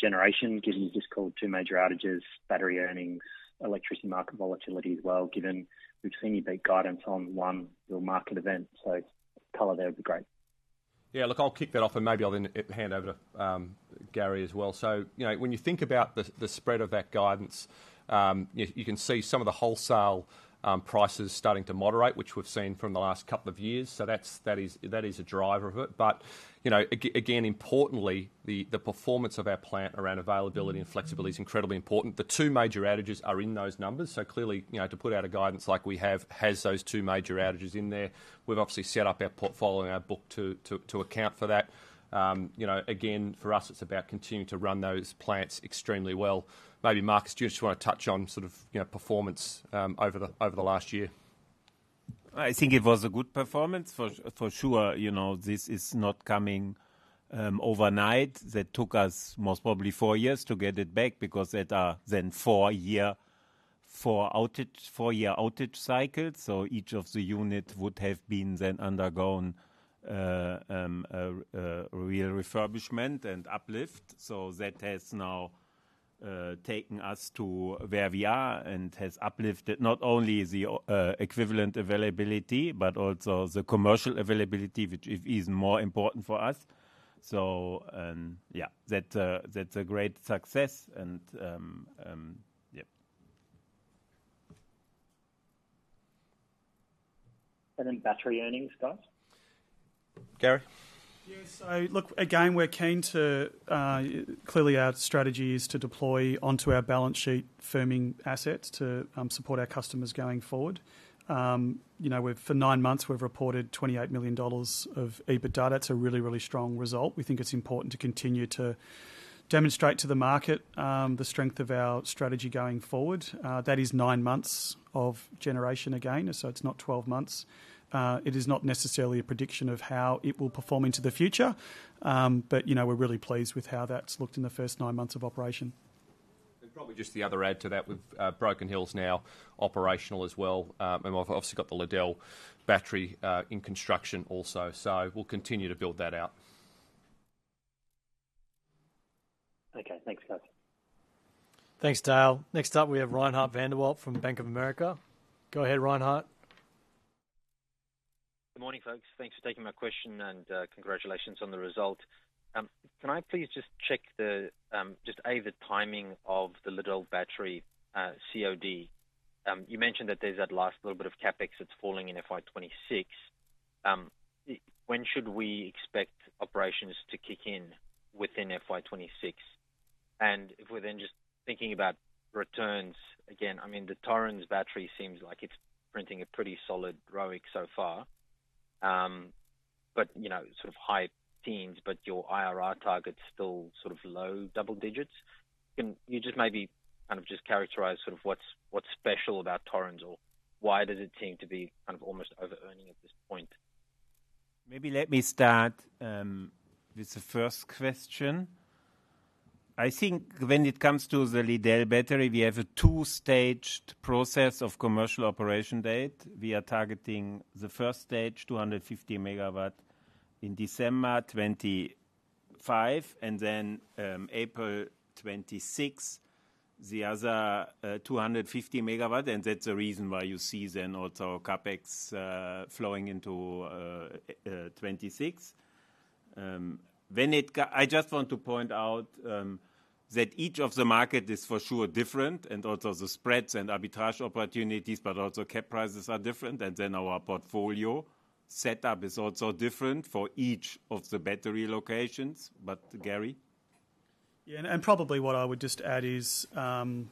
generation, given you just called two major outages, battery earnings, electricity market volatility as well, given we've seen you beat guidance on one real market event. So color there would be great. Yeah, look, I'll kick that off, and maybe I'll then hand over to Gary as well. So, you know, when you think about the spread of that guidance, you can see some of the wholesale prices starting to moderate, which we've seen from the last couple of years. So that's a driver of it. But, you know, again, importantly, the performance of our plant around availability and flexibility is incredibly important. The two major outages are in those numbers, so clearly, you know, to put out a guidance like we have has those two major outages in there. We've obviously set up our portfolio and our book to account for that. You know, again, for us, it's about continuing to run those plants extremely well. Maybe, Markus, do you just want to touch on sort of, you know, performance over the last year?... I think it was a good performance for sure. You know, this is not coming overnight. That took us most probably 4 years to get it back, because that's a 4-year outage cycle. So each of the units would have then undergone a real refurbishment and uplift. So that has now taken us to where we are and has uplifted not only the equivalent availability, but also the commercial availability, which is more important for us. So yeah, that's a great success. Yep. And then battery earnings, guys? Gary? Yes. So look, again, we're keen to, clearly, our strategy is to deploy onto our balance sheet firming assets to, support our customers going forward. You know, for nine months, we've reported 28 million dollars of EBITDA. That's a really, really strong result. We think it's important to continue to demonstrate to the market, the strength of our strategy going forward. That is nine months of generation again, so it's not 12 months. It is not necessarily a prediction of how it will perform into the future. But, you know, we're really pleased with how that's looked in the first nine months of operation. And probably just the other add to that, with, Broken Hill is now operational as well. And we've obviously got the Liddell Battery, in construction also, so we'll continue to build that out. Okay. Thanks, guys. Thanks, Dale. Next up, we have Reinhardt van der Walt from Bank of America. Go ahead, Reinhardt. Good morning, folks. Thanks for taking my question, and congratulations on the result. Can I please just check the timing of the Liddell Battery COD? You mentioned that there's that last little bit of CapEx that's falling in FY 2026. When should we expect operations to kick in within FY 2026? And if we're then just thinking about returns again, I mean, the Torrens Battery seems like it's printing a pretty solid ROIC so far. But, you know, sort of high teens, but your IRR target's still sort of low double digits. Can you just maybe kind of just characterize sort of what's special about Torrens, or why does it seem to be kind of almost overearning at this point? Maybe let me start with the first question. I think when it comes to the Liddell Battery, we have a two-staged process of commercial operation date. We are targeting the first stage, 250 MW, in December 2025, and then, April 2026, the other, 250 MW, and that's the reason why you see then also CapEx, flowing into, 2026. I just want to point out, that each of the market is for sure different, and also the spreads and arbitrage opportunities, but also CapEx prices are different, and then our portfolio setup is also different for each of the battery locations. But Gary? Yeah, and probably what I would just add is, you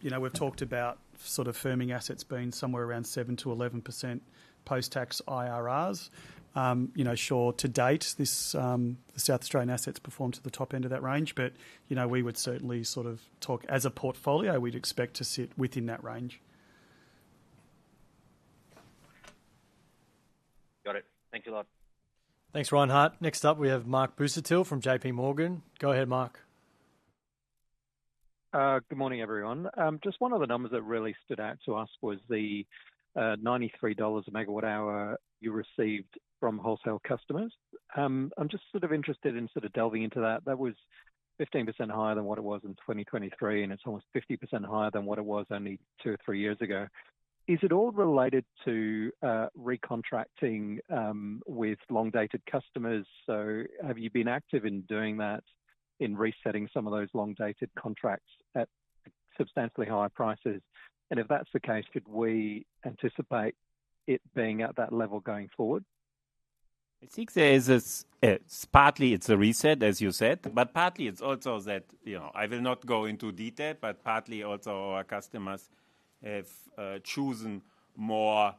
know, we've talked about sort of firming assets being somewhere around 7%-11% post-tax IRRs. You know, sure, to date, this, the South Australian assets performed at the top end of that range, but, you know, we would certainly sort of talk as a portfolio, we'd expect to sit within that range. Got it. Thank you a lot. Thanks, Reinhardt. Next up, we have Mark Busuttil from JP Morgan. Go ahead, Mark. Good morning, everyone. Just one of the numbers that really stood out to us was the 93 dollars/MWh you received from wholesale customers. I'm just sort of interested in sort of delving into that. That was 15% higher than what it was in 2023, and it's almost 50% higher than what it was only two or three years ago. Is it all related to recontracting with long-dated customers? So have you been active in doing that, in resetting some of those long-dated contracts at substantially higher prices? And if that's the case, could we anticipate it being at that level going forward? I think there is partly it's a reset, as you said, but partly it's also that, you know, I will not go into detail, but partly also our customers have chosen more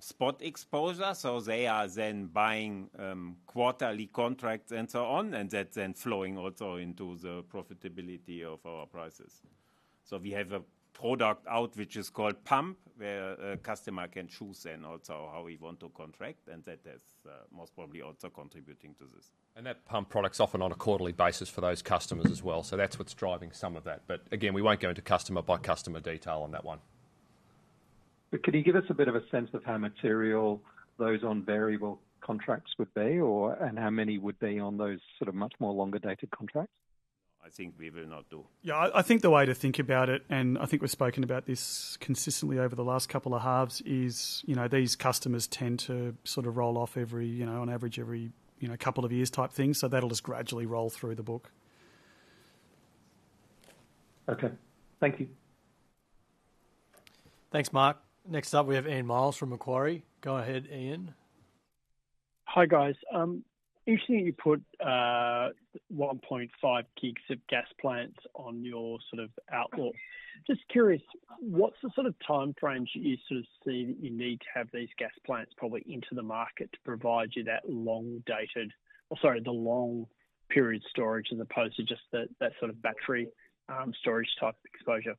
spot exposure, so they are then buying quarterly contracts and so on, and that's then flowing also into the profitability of our prices. So we have a product out, which is called Pump, where a customer can choose then also how we want to contract, and that is most probably also contributing to this. That Pump product's often on a quarterly basis for those customers as well, so that's what's driving some of that. Again, we won't go into customer-by-customer detail on that one. But could you give us a bit of a sense of how material those on variable contracts would be, or, and how many would be on those sort of much more longer-dated contracts? I think we will not do. Yeah, I think the way to think about it, and I think we've spoken about this consistently over the last couple of halves, is, you know, these customers tend to sort of roll off every, you know, on average, every, you know, couple of years type thing, so that'll just gradually roll through the book. Okay. Thank you. Thanks, Mark. Next up, we have Ian Myles from Macquarie. Go ahead, Ian. Hi, guys. Interesting that you put 1.5 gigs of gas plants on your sort of outlook. Just curious, what's the sort of timeframe you sort of see that you need to have these gas plants probably into the market to provide you that long-dated... or sorry, the long-period storage, as opposed to just the, that sort of battery, storage type exposure?...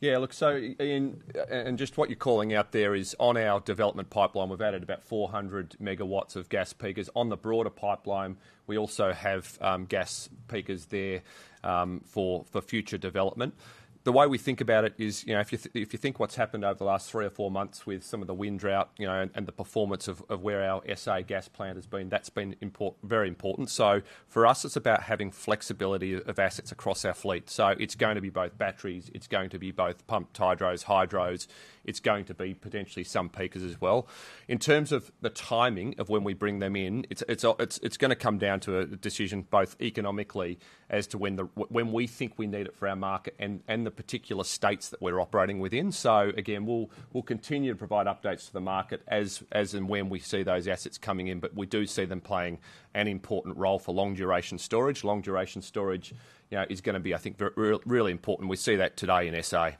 Yeah, look, so, Ian, and just what you're calling out there is on our development pipeline, we've added about 400 MW of gas peakers. On the broader pipeline, we also have gas peakers there for future development. The way we think about it is, you know, if you think what's happened over the last 3 or 4 months with some of the wind drought, you know, and the performance of where our SA gas plant has been, that's been very important. So for us, it's about having flexibility of assets across our fleet. So it's going to be both batteries, it's going to be both pumped hydros, hydros, it's going to be potentially some peakers as well. In terms of the timing of when we bring them in, it's gonna come down to a decision, both economically as to when we think we need it for our market and the particular states that we're operating within. So again, we'll continue to provide updates to the market as and when we see those assets coming in, but we do see them playing an important role for long-duration storage. Long-duration storage, you know, is gonna be, I think, very really important. We see that today in SA.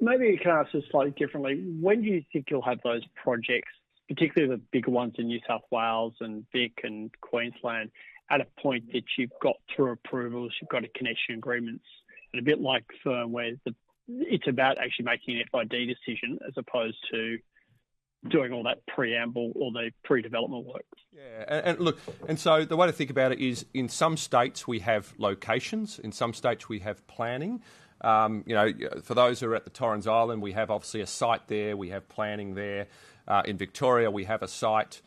Maybe I can ask this slightly differently. When do you think you'll have those projects, particularly the bigger ones in New South Wales and Vic and Queensland, at a point that you've got through approvals, you've got a connection agreements, and a bit like firm where the-- it's about actually making an FID decision as opposed to doing all that preamble or the pre-development work? Yeah, and look, and so the way to think about it is, in some states we have locations, in some states we have planning. You know, for those who are at the Torrens Island, we have obviously a site there, we have planning there. In Victoria, we have a site.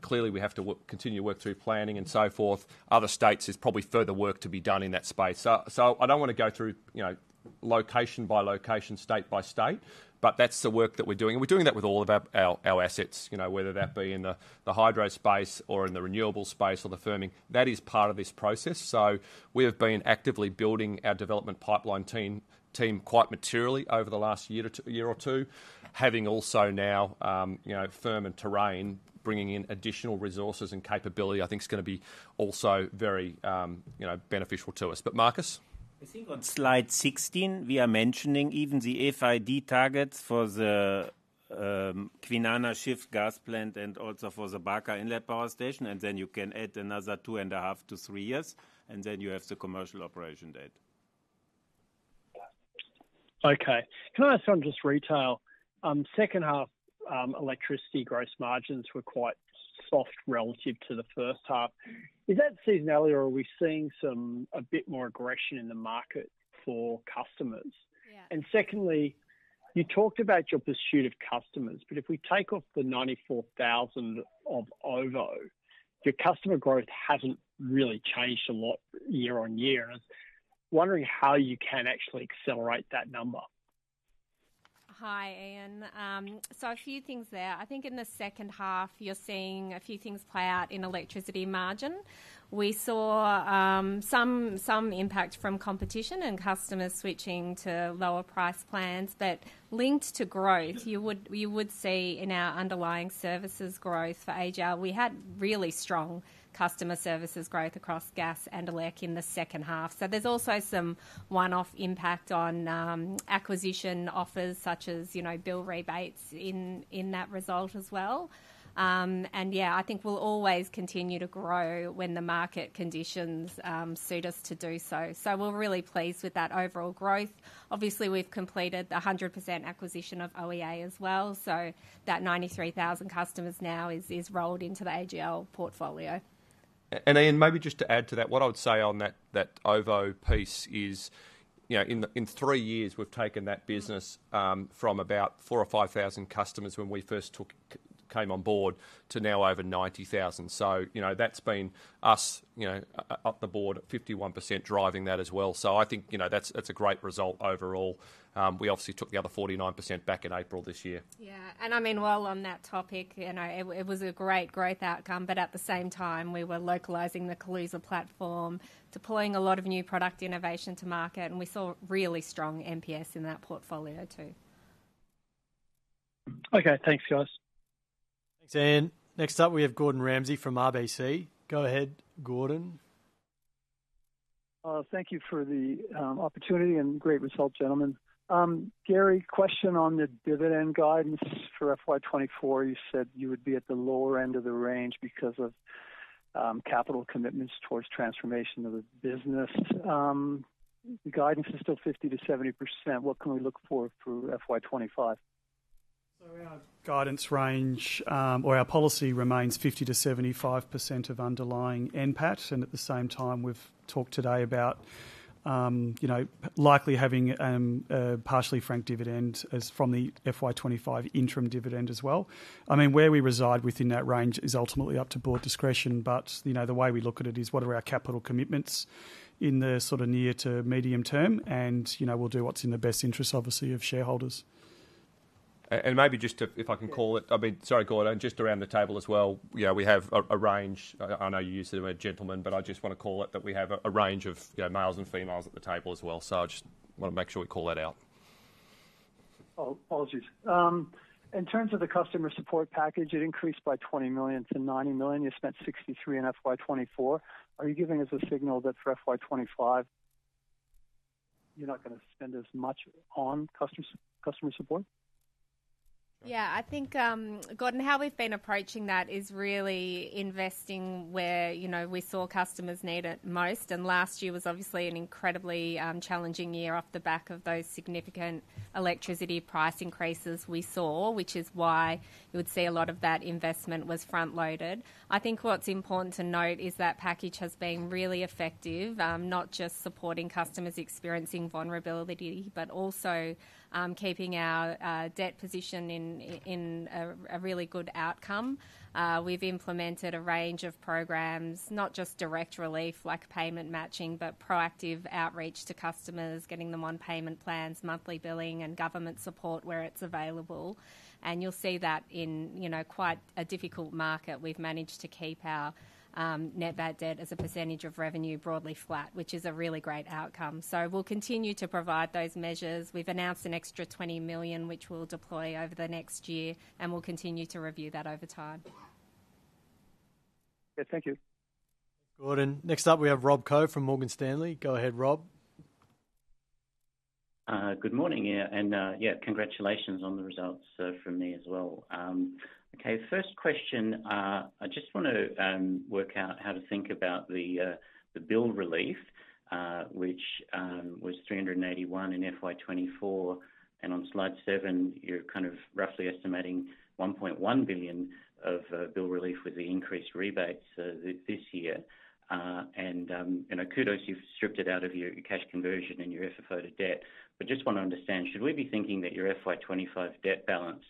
Clearly we have to continue to work through planning and so forth. Other states, there's probably further work to be done in that space. So, so I don't want to go through, you know, location by location, state by state, but that's the work that we're doing, and we're doing that with all of our, our, our assets, you know, whether that be in the, the hydro space or in the renewable space or the firming. That is part of this process. We have been actively building our development pipeline team quite materially over the last year or two, having also now, you know, Firm and Terrain bringing in additional resources and capability, I think is gonna be also very, you know, beneficial to us. But Markus? I think on slide 16, we are mentioning even the FID targets for the Kwinana Swing gas plant and also for the Barker Inlet Power station, and then you can add another 2.5-3 years, and then you have the commercial operation date. Okay. Can I ask on just retail? Second half, electricity gross margins were quite soft relative to the first half. Is that seasonality or are we seeing some, a bit more aggression in the market for customers? Yeah. Secondly, you talked about your pursuit of customers, but if we take off the 94,000 of OVO, your customer growth hasn't really changed a lot year-on-year. I was wondering how you can actually accelerate that number? Hi, Ian. So a few things there. I think in the second half, you're seeing a few things play out in electricity margin. We saw some impact from competition and customers switching to lower price plans. But linked to growth, you would see in our underlying services growth for AGL, we had really strong customer services growth across gas and elec in the second half. So there's also some one-off impact on acquisition offers such as, you know, bill rebates in that result as well. And yeah, I think we'll always continue to grow when the market conditions suit us to do so. So we're really pleased with that overall growth. Obviously, we've completed the 100% acquisition of OEA as well, so that 93,000 customers now is rolled into the AGL portfolio. Ian, maybe just to add to that, what I would say on that, that OVO piece is, you know, in three years, we've taken that business from about 4,000 or 5,000 customers when we first came on board, to now over 90,000. So, you know, that's been us, you know, up the board at 51%, driving that as well. So I think, you know, that's, that's a great result overall. We obviously took the other 49% back in April this year. Yeah. And I mean, while on that topic, you know, it, it was a great growth outcome, but at the same time, we were localizing the Kaluza platform, deploying a lot of new product innovation to market, and we saw really strong NPS in that portfolio, too. Okay. Thanks, guys. Thanks, Ian. Next up, we have Gordon Ramsay from RBC. Go ahead, Gordon. Thank you for the opportunity and great results, gentlemen. Gary, question on the dividend guidance for FY 2024, you said you would be at the lower end of the range because of capital commitments towards transformation of the business. The guidance is still 50%-70%. What can we look for for FY 2025? So our guidance range, or our policy remains 50%-75% of underlying NPAT, and at the same time, we've talked today about, you know, likely having a partially frank dividend as from the FY 2025 interim dividend as well. I mean, where we reside within that range is ultimately up to board discretion, but, you know, the way we look at it is, what are our capital commitments in the sort of near to medium term, and, you know, we'll do what's in the best interest, obviously, of shareholders. Maybe just to, if I can call it- Yeah. I mean, sorry, Gordon, just around the table as well, you know, we have a range. I know you used the word gentlemen, but I just want to call it out that we have a range of, you know, males and females at the table as well, so I just want to make sure we call that out. Oh, apologies. In terms of the customer support package, it increased by 20 million to 90 million. You spent 63 million in FY 2024. Are you giving us a signal that for FY 2025, you're not gonna spend as much on customer support? ... Yeah, I think, Gordon, how we've been approaching that is really investing where, you know, we saw customers need it most, and last year was obviously an incredibly challenging year off the back of those significant electricity price increases we saw, which is why you would see a lot of that investment was front-loaded. I think what's important to note is that package has been really effective, not just supporting customers experiencing vulnerability, but also keeping our debt position in a really good outcome. We've implemented a range of programs, not just direct relief, like payment matching, but proactive outreach to customers, getting them on payment plans, monthly billing, and government support where it's available. And you'll see that in, you know, quite a difficult market. We've managed to keep our net bad debt as a percentage of revenue broadly flat, which is a really great outcome. So we'll continue to provide those measures. We've announced an extra 20 million, which we'll deploy over the next year, and we'll continue to review that over time. Yeah, thank you. Gordon. Next up, we have Rob Koh from Morgan Stanley. Go ahead, Rob. Good morning, yeah, and, yeah, congratulations on the results from me as well. Okay, first question, I just want to work out how to think about the bill relief, which was 381 in FY 2024, and on slide seven, you're kind of roughly estimating 1.1 billion of bill relief with the increased rebates this year. And you know, kudos, you've stripped it out of your cash conversion and your FFO to debt. But just want to understand, should we be thinking that your FY 2025 debt balance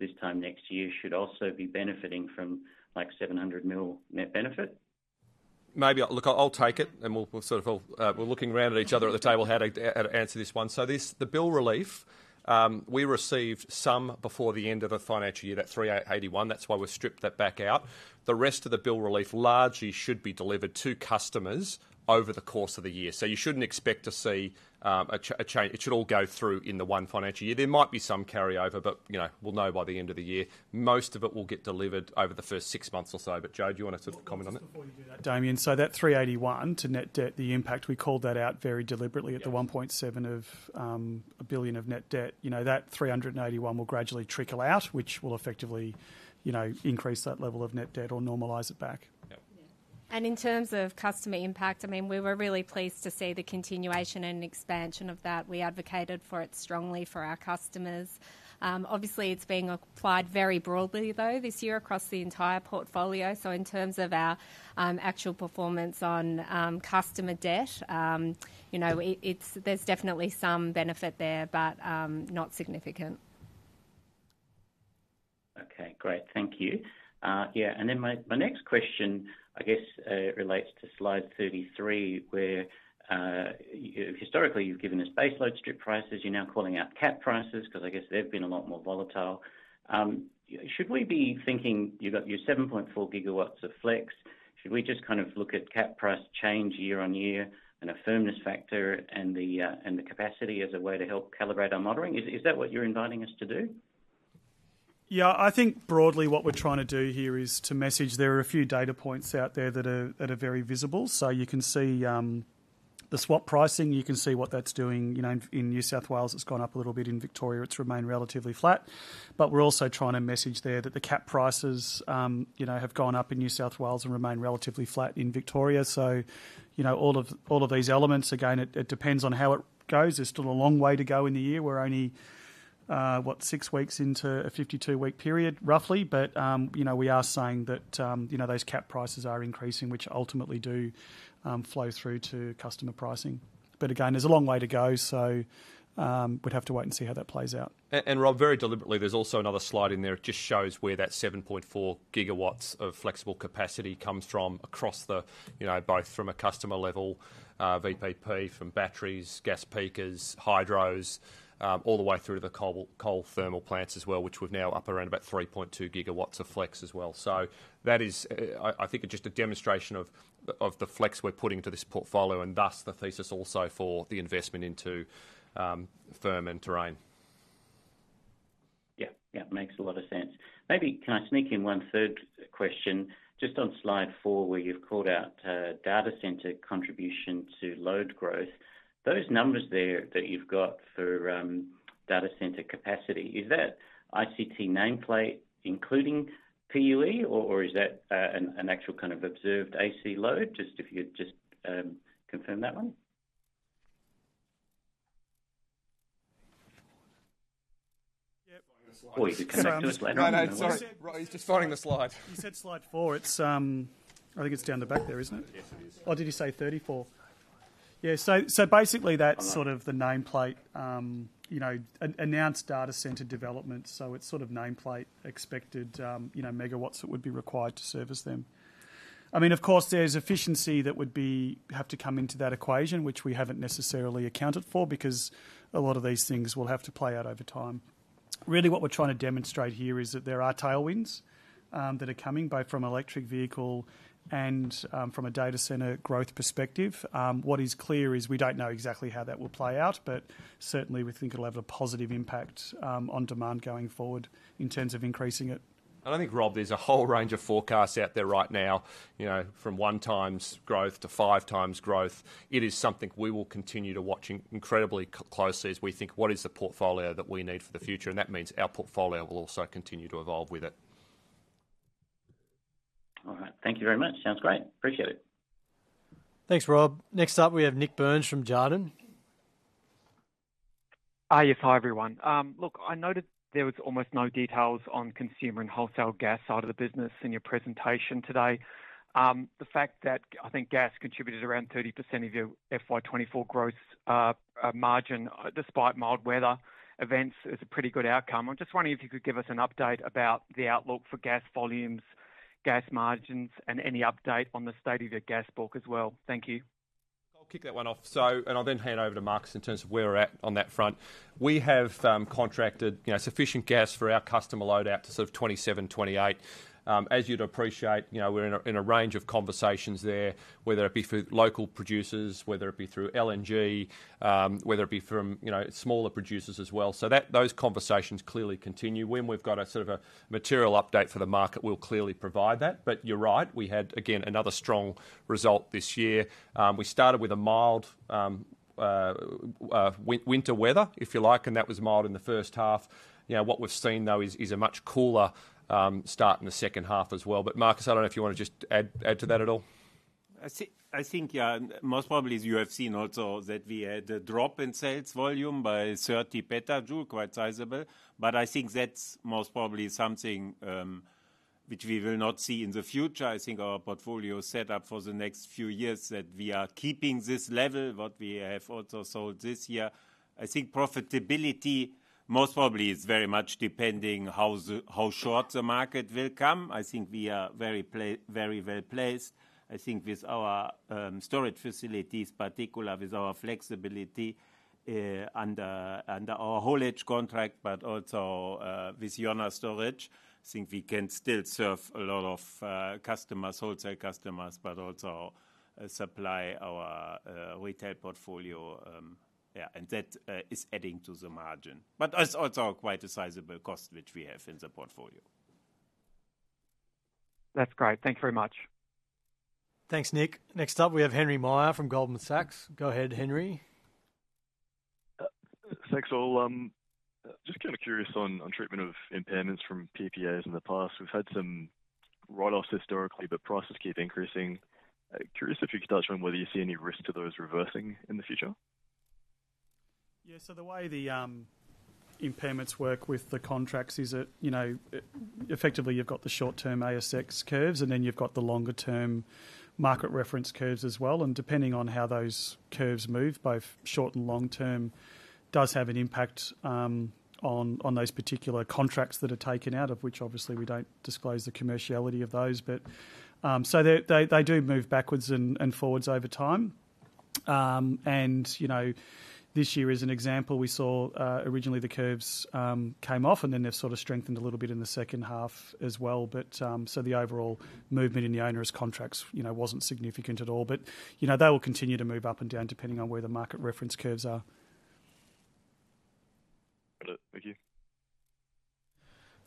this time next year should also be benefiting from, like, 700 million net benefit? Maybe I'll look, I'll take it, and we'll sort of. We're looking around at each other at the table how to, how to answer this one. So this, the bill relief, we received some before the end of the financial year, that 38, 81. That's why we stripped that back out. The rest of the bill relief largely should be delivered to customers over the course of the year. So you shouldn't expect to see a change. It should all go through in the one financial year. There might be some carryover, but, you know, we'll know by the end of the year. Most of it will get delivered over the first six months or so. But, Jade, do you want to sort of comment on that? Well, just before you do that, Damien. So that 381 to net debt, the impact, we called that out very deliberately- Yeah... at the 1.7 billion of net debt. You know, that 381 will gradually trickle out, which will effectively, you know, increase that level of net debt or normalize it back. Yep. Yeah. And in terms of customer impact, I mean, we were really pleased to see the continuation and expansion of that. We advocated for it strongly for our customers. Obviously, it's being applied very broadly, though, this year across the entire portfolio. So in terms of our actual performance on customer debt, you know, there's definitely some benefit there, but not significant. Okay, great. Thank you. Yeah, and then my next question, I guess, relates to slide 33, where historically, you've given us baseload strip prices, you're now calling out cap prices, 'cause I guess they've been a lot more volatile. Should we be thinking you've got your 7.4 gigawatts of flex? Should we just kind of look at cap price change year-on-year and a firmness factor and the, and the capacity as a way to help calibrate our modeling? Is that what you're inviting us to do? Yeah, I think broadly, what we're trying to do here is to message there are a few data points out there that are very visible. So you can see the swap pricing, you can see what that's doing. You know, in New South Wales, it's gone up a little bit. In Victoria, it's remained relatively flat. But we're also trying to message there that the cap prices, you know, have gone up in New South Wales and remain relatively flat in Victoria. So, you know, all of these elements, again, it depends on how it goes. There's still a long way to go in the year. We're only what, 6 weeks into a 52-week period, roughly. But, you know, we are saying that, you know, those cap prices are increasing, which ultimately do flow through to customer pricing. But again, there's a long way to go, so we'd have to wait and see how that plays out. Rob, very deliberately, there's also another slide in there. It just shows where that 7.4 gigawatts of flexible capacity comes from across the, you know, both from a customer level, VPP, from batteries, gas peakers, hydros, all the way through to the coal, coal thermal plants as well, which we're now up around about 3.2 gigawatts of flex as well. So that is, I, I think just a demonstration of, of the flex we're putting into this portfolio, and thus, the thesis also for the investment into, Firm and Terrain. Yeah, yeah, makes a lot of sense. Maybe can I sneak in one third question, just on slide four, where you've called out, data center contribution to load growth. Those numbers there that you've got for, data center capacity, is that ICT nameplate including PUE, or is that, an actual kind of observed AC load? Just if you'd just, confirm that one. Yeah. Or you could come back to us later. No, no, sorry. He's just finding the slide. You said slide four. It's, I think it's down the back there, isn't it? Yes, it is. Or did you say 34? Yeah, so, so basically, that's- I know... sort of the nameplate, you know, announced data center development, so it's sort of nameplate expected, you know, megawatts that would be required to service them. I mean, of course, there's efficiency that would have to come into that equation, which we haven't necessarily accounted for, because a lot of these things will have to play out over time. Really, what we're trying to demonstrate here is that there are tailwinds, that are coming both from electric vehicle and from a data center growth perspective. What is clear is we don't know exactly how that will play out, but certainly we think it'll have a positive impact on demand going forward in terms of increasing it.... I think, Rob, there's a whole range of forecasts out there right now, you know, from 1x growth to 5x growth. It is something we will continue to watch incredibly closely as we think what is the portfolio that we need for the future, and that means our portfolio will also continue to evolve with it. All right. Thank you very much. Sounds great. Appreciate it. Thanks, Rob. Next up, we have Nik Burns from Jarden. Hi, yeah, hi, everyone. Look, I noticed there was almost no details on consumer and wholesale gas side of the business in your presentation today. The fact that I think gas contributed around 30% of your FY 2024 growth, margin, despite mild weather events, is a pretty good outcome. I'm just wondering if you could give us an update about the outlook for gas volumes, gas margins, and any update on the state of your gas book as well. Thank you. I'll kick that one off, so. And I'll then hand over to Markus in terms of where we're at on that front. We have contracted, you know, sufficient gas for our customer load out to sort of 2027, 2028. As you'd appreciate, you know, we're in a range of conversations there, whether it be through local producers, whether it be through LNG, whether it be from, you know, smaller producers as well. So that, those conversations clearly continue. When we've got a sort of a material update for the market, we'll clearly provide that. But you're right, we had, again, another strong result this year. We started with a mild winter weather, if you like, and that was mild in the first half. You know, what we've seen, though, is a much cooler start in the second half as well. But Markus, I don't know if you want to just add to that at all. I see, I think, yeah, most probably, as you have seen also, that we had a drop in sales volume by 30 petajoules, quite sizable. But I think that's most probably something which we will not see in the future. I think our portfolio is set up for the next few years, that we are keeping this level, what we have also sold this year. I think profitability, most probably, is very much depending how short the market will come. I think we are very well placed, I think with our storage facilities, particular with our flexibility under our whole edge contract, but also with na storage. I think we can still serve a lot of customers, wholesale customers, but also supply our retail portfolio. Yeah, and that is adding to the margin, but it's also quite a sizable cost which we have in the portfolio. That's great. Thank you very much. Thanks, Nick. Next up, we have Henry Meyer from Goldman Sachs. Go ahead, Henry. Thanks, all. Just kind of curious on, on treatment of impairments from PPAs in the past. We've had some write-offs historically, but prices keep increasing. Curious if you could touch on whether you see any risk to those reversing in the future? Yeah, so the way the impairments work with the contracts is that, you know, effectively, you've got the short-term ASX curves, and then you've got the longer-term market reference curves as well, and depending on how those curves move, both short and long term, does have an impact on those particular contracts that are taken out, of which obviously we don't disclose the commerciality of those. But, so they do move backwards and forwards over time. And, you know, this year, as an example, we saw originally the curves came off, and then they've sort of strengthened a little bit in the second half as well. But, so the overall movement in the owner's contracts, you know, wasn't significant at all. You know, they will continue to move up and down, depending on where the market reference curves are. Got it. Thank you.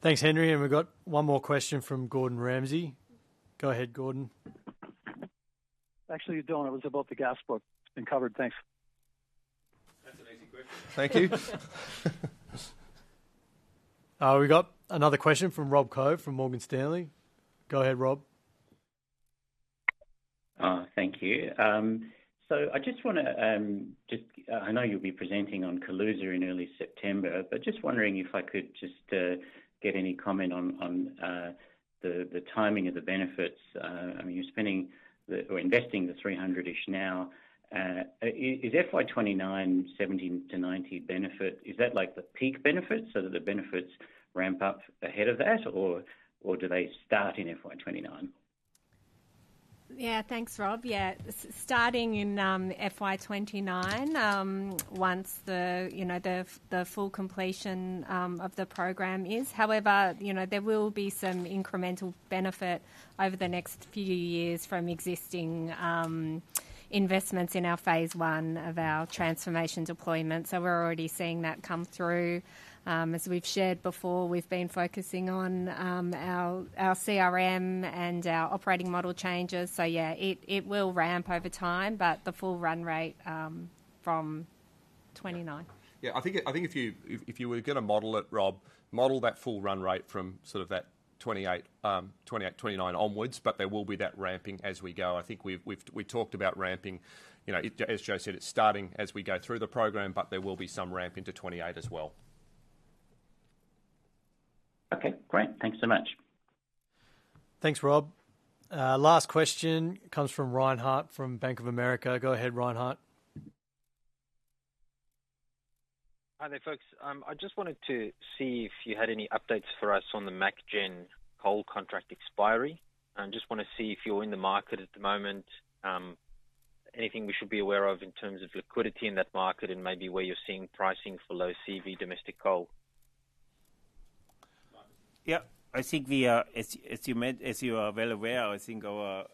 Thanks, Henry, and we've got one more question from Gordon Ramsay. Go ahead, Gordon. Actually, Don, it was about the gas book. It's been covered. Thanks. That's an easy question. Thank you. We got another question from Rob Koh, from Morgan Stanley. Go ahead, Rob. Thank you. So I just wanna I know you'll be presenting on Kaluza in early September, but just wondering if I could just get any comment on the timing of the benefits. I mean, you're spending or investing the 300-ish now. Is FY 2029 70-90 benefit like the peak benefits? So do the benefits ramp up ahead of that, or do they start in FY 2029? Yeah. Thanks, Rob. Yeah, starting in FY 2029, once the, you know, the full completion of the program is. However, you know, there will be some incremental benefit over the next few years from existing investments in our phase one of our transformation deployment, so we're already seeing that come through. As we've shared before, we've been focusing on our CRM and our operating model changes. So yeah, it will ramp over time, but the full run rate from 2029. Yeah, I think, I think if you, if, if you were gonna model it, Rob, model that full run rate from sort of that 2028, 2028, 2029 onwards, but there will be that ramping as we go. I think we've, we've... We talked about ramping. You know, it, as Jo said, it's starting as we go through the program, but there will be some ramp into 2028 as well. Okay, great. Thank you so much. Thanks, Rob. Last question comes from Reinhardt, from Bank of America. Go ahead, Reinhardt. Hi there, folks. I just wanted to see if you had any updates for us on the MacGen coal contract expiry. And just want to see if you're in the market at the moment. Anything we should be aware of in terms of liquidity in that market and maybe where you're seeing pricing for low CV domestic coal? Yeah, I think we are, as you are well aware, I think our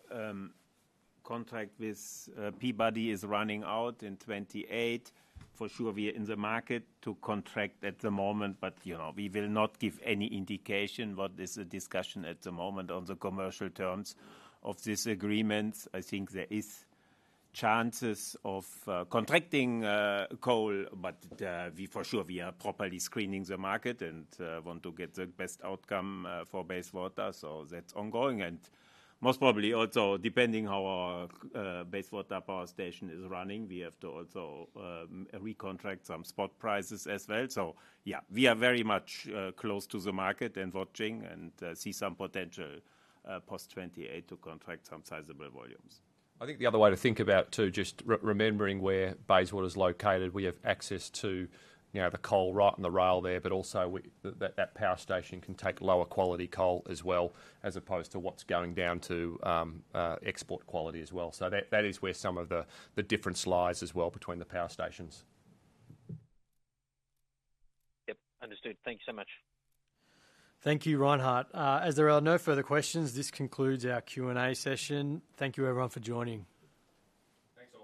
contract with Peabody is running out in 2028. For sure, we are in the market to contract at the moment, but, you know, we will not give any indication what is the discussion at the moment on the commercial terms of this agreement. I think there is chances of contracting coal, but we for sure, we are properly screening the market and want to get the best outcome for Bayswater. So that's ongoing, and most probably also, depending how our Bayswater Power Station is running, we have to also recontract some spot prices as well. So yeah, we are very much close to the market and watching, and see some potential post 2028 to contract some sizable volumes. I think the other way to think about, too, just remembering where Bayswater is located, we have access to, you know, the coal right on the rail there, but also that, that power station can take lower quality coal as well, as opposed to what's going down to export quality as well. So that, that is where some of the, the difference lies as well between the power stations. Yep, understood. Thank you so much. Thank you, Reinhardt. As there are no further questions, this concludes our Q&A session. Thank you, everyone, for joining. Thanks.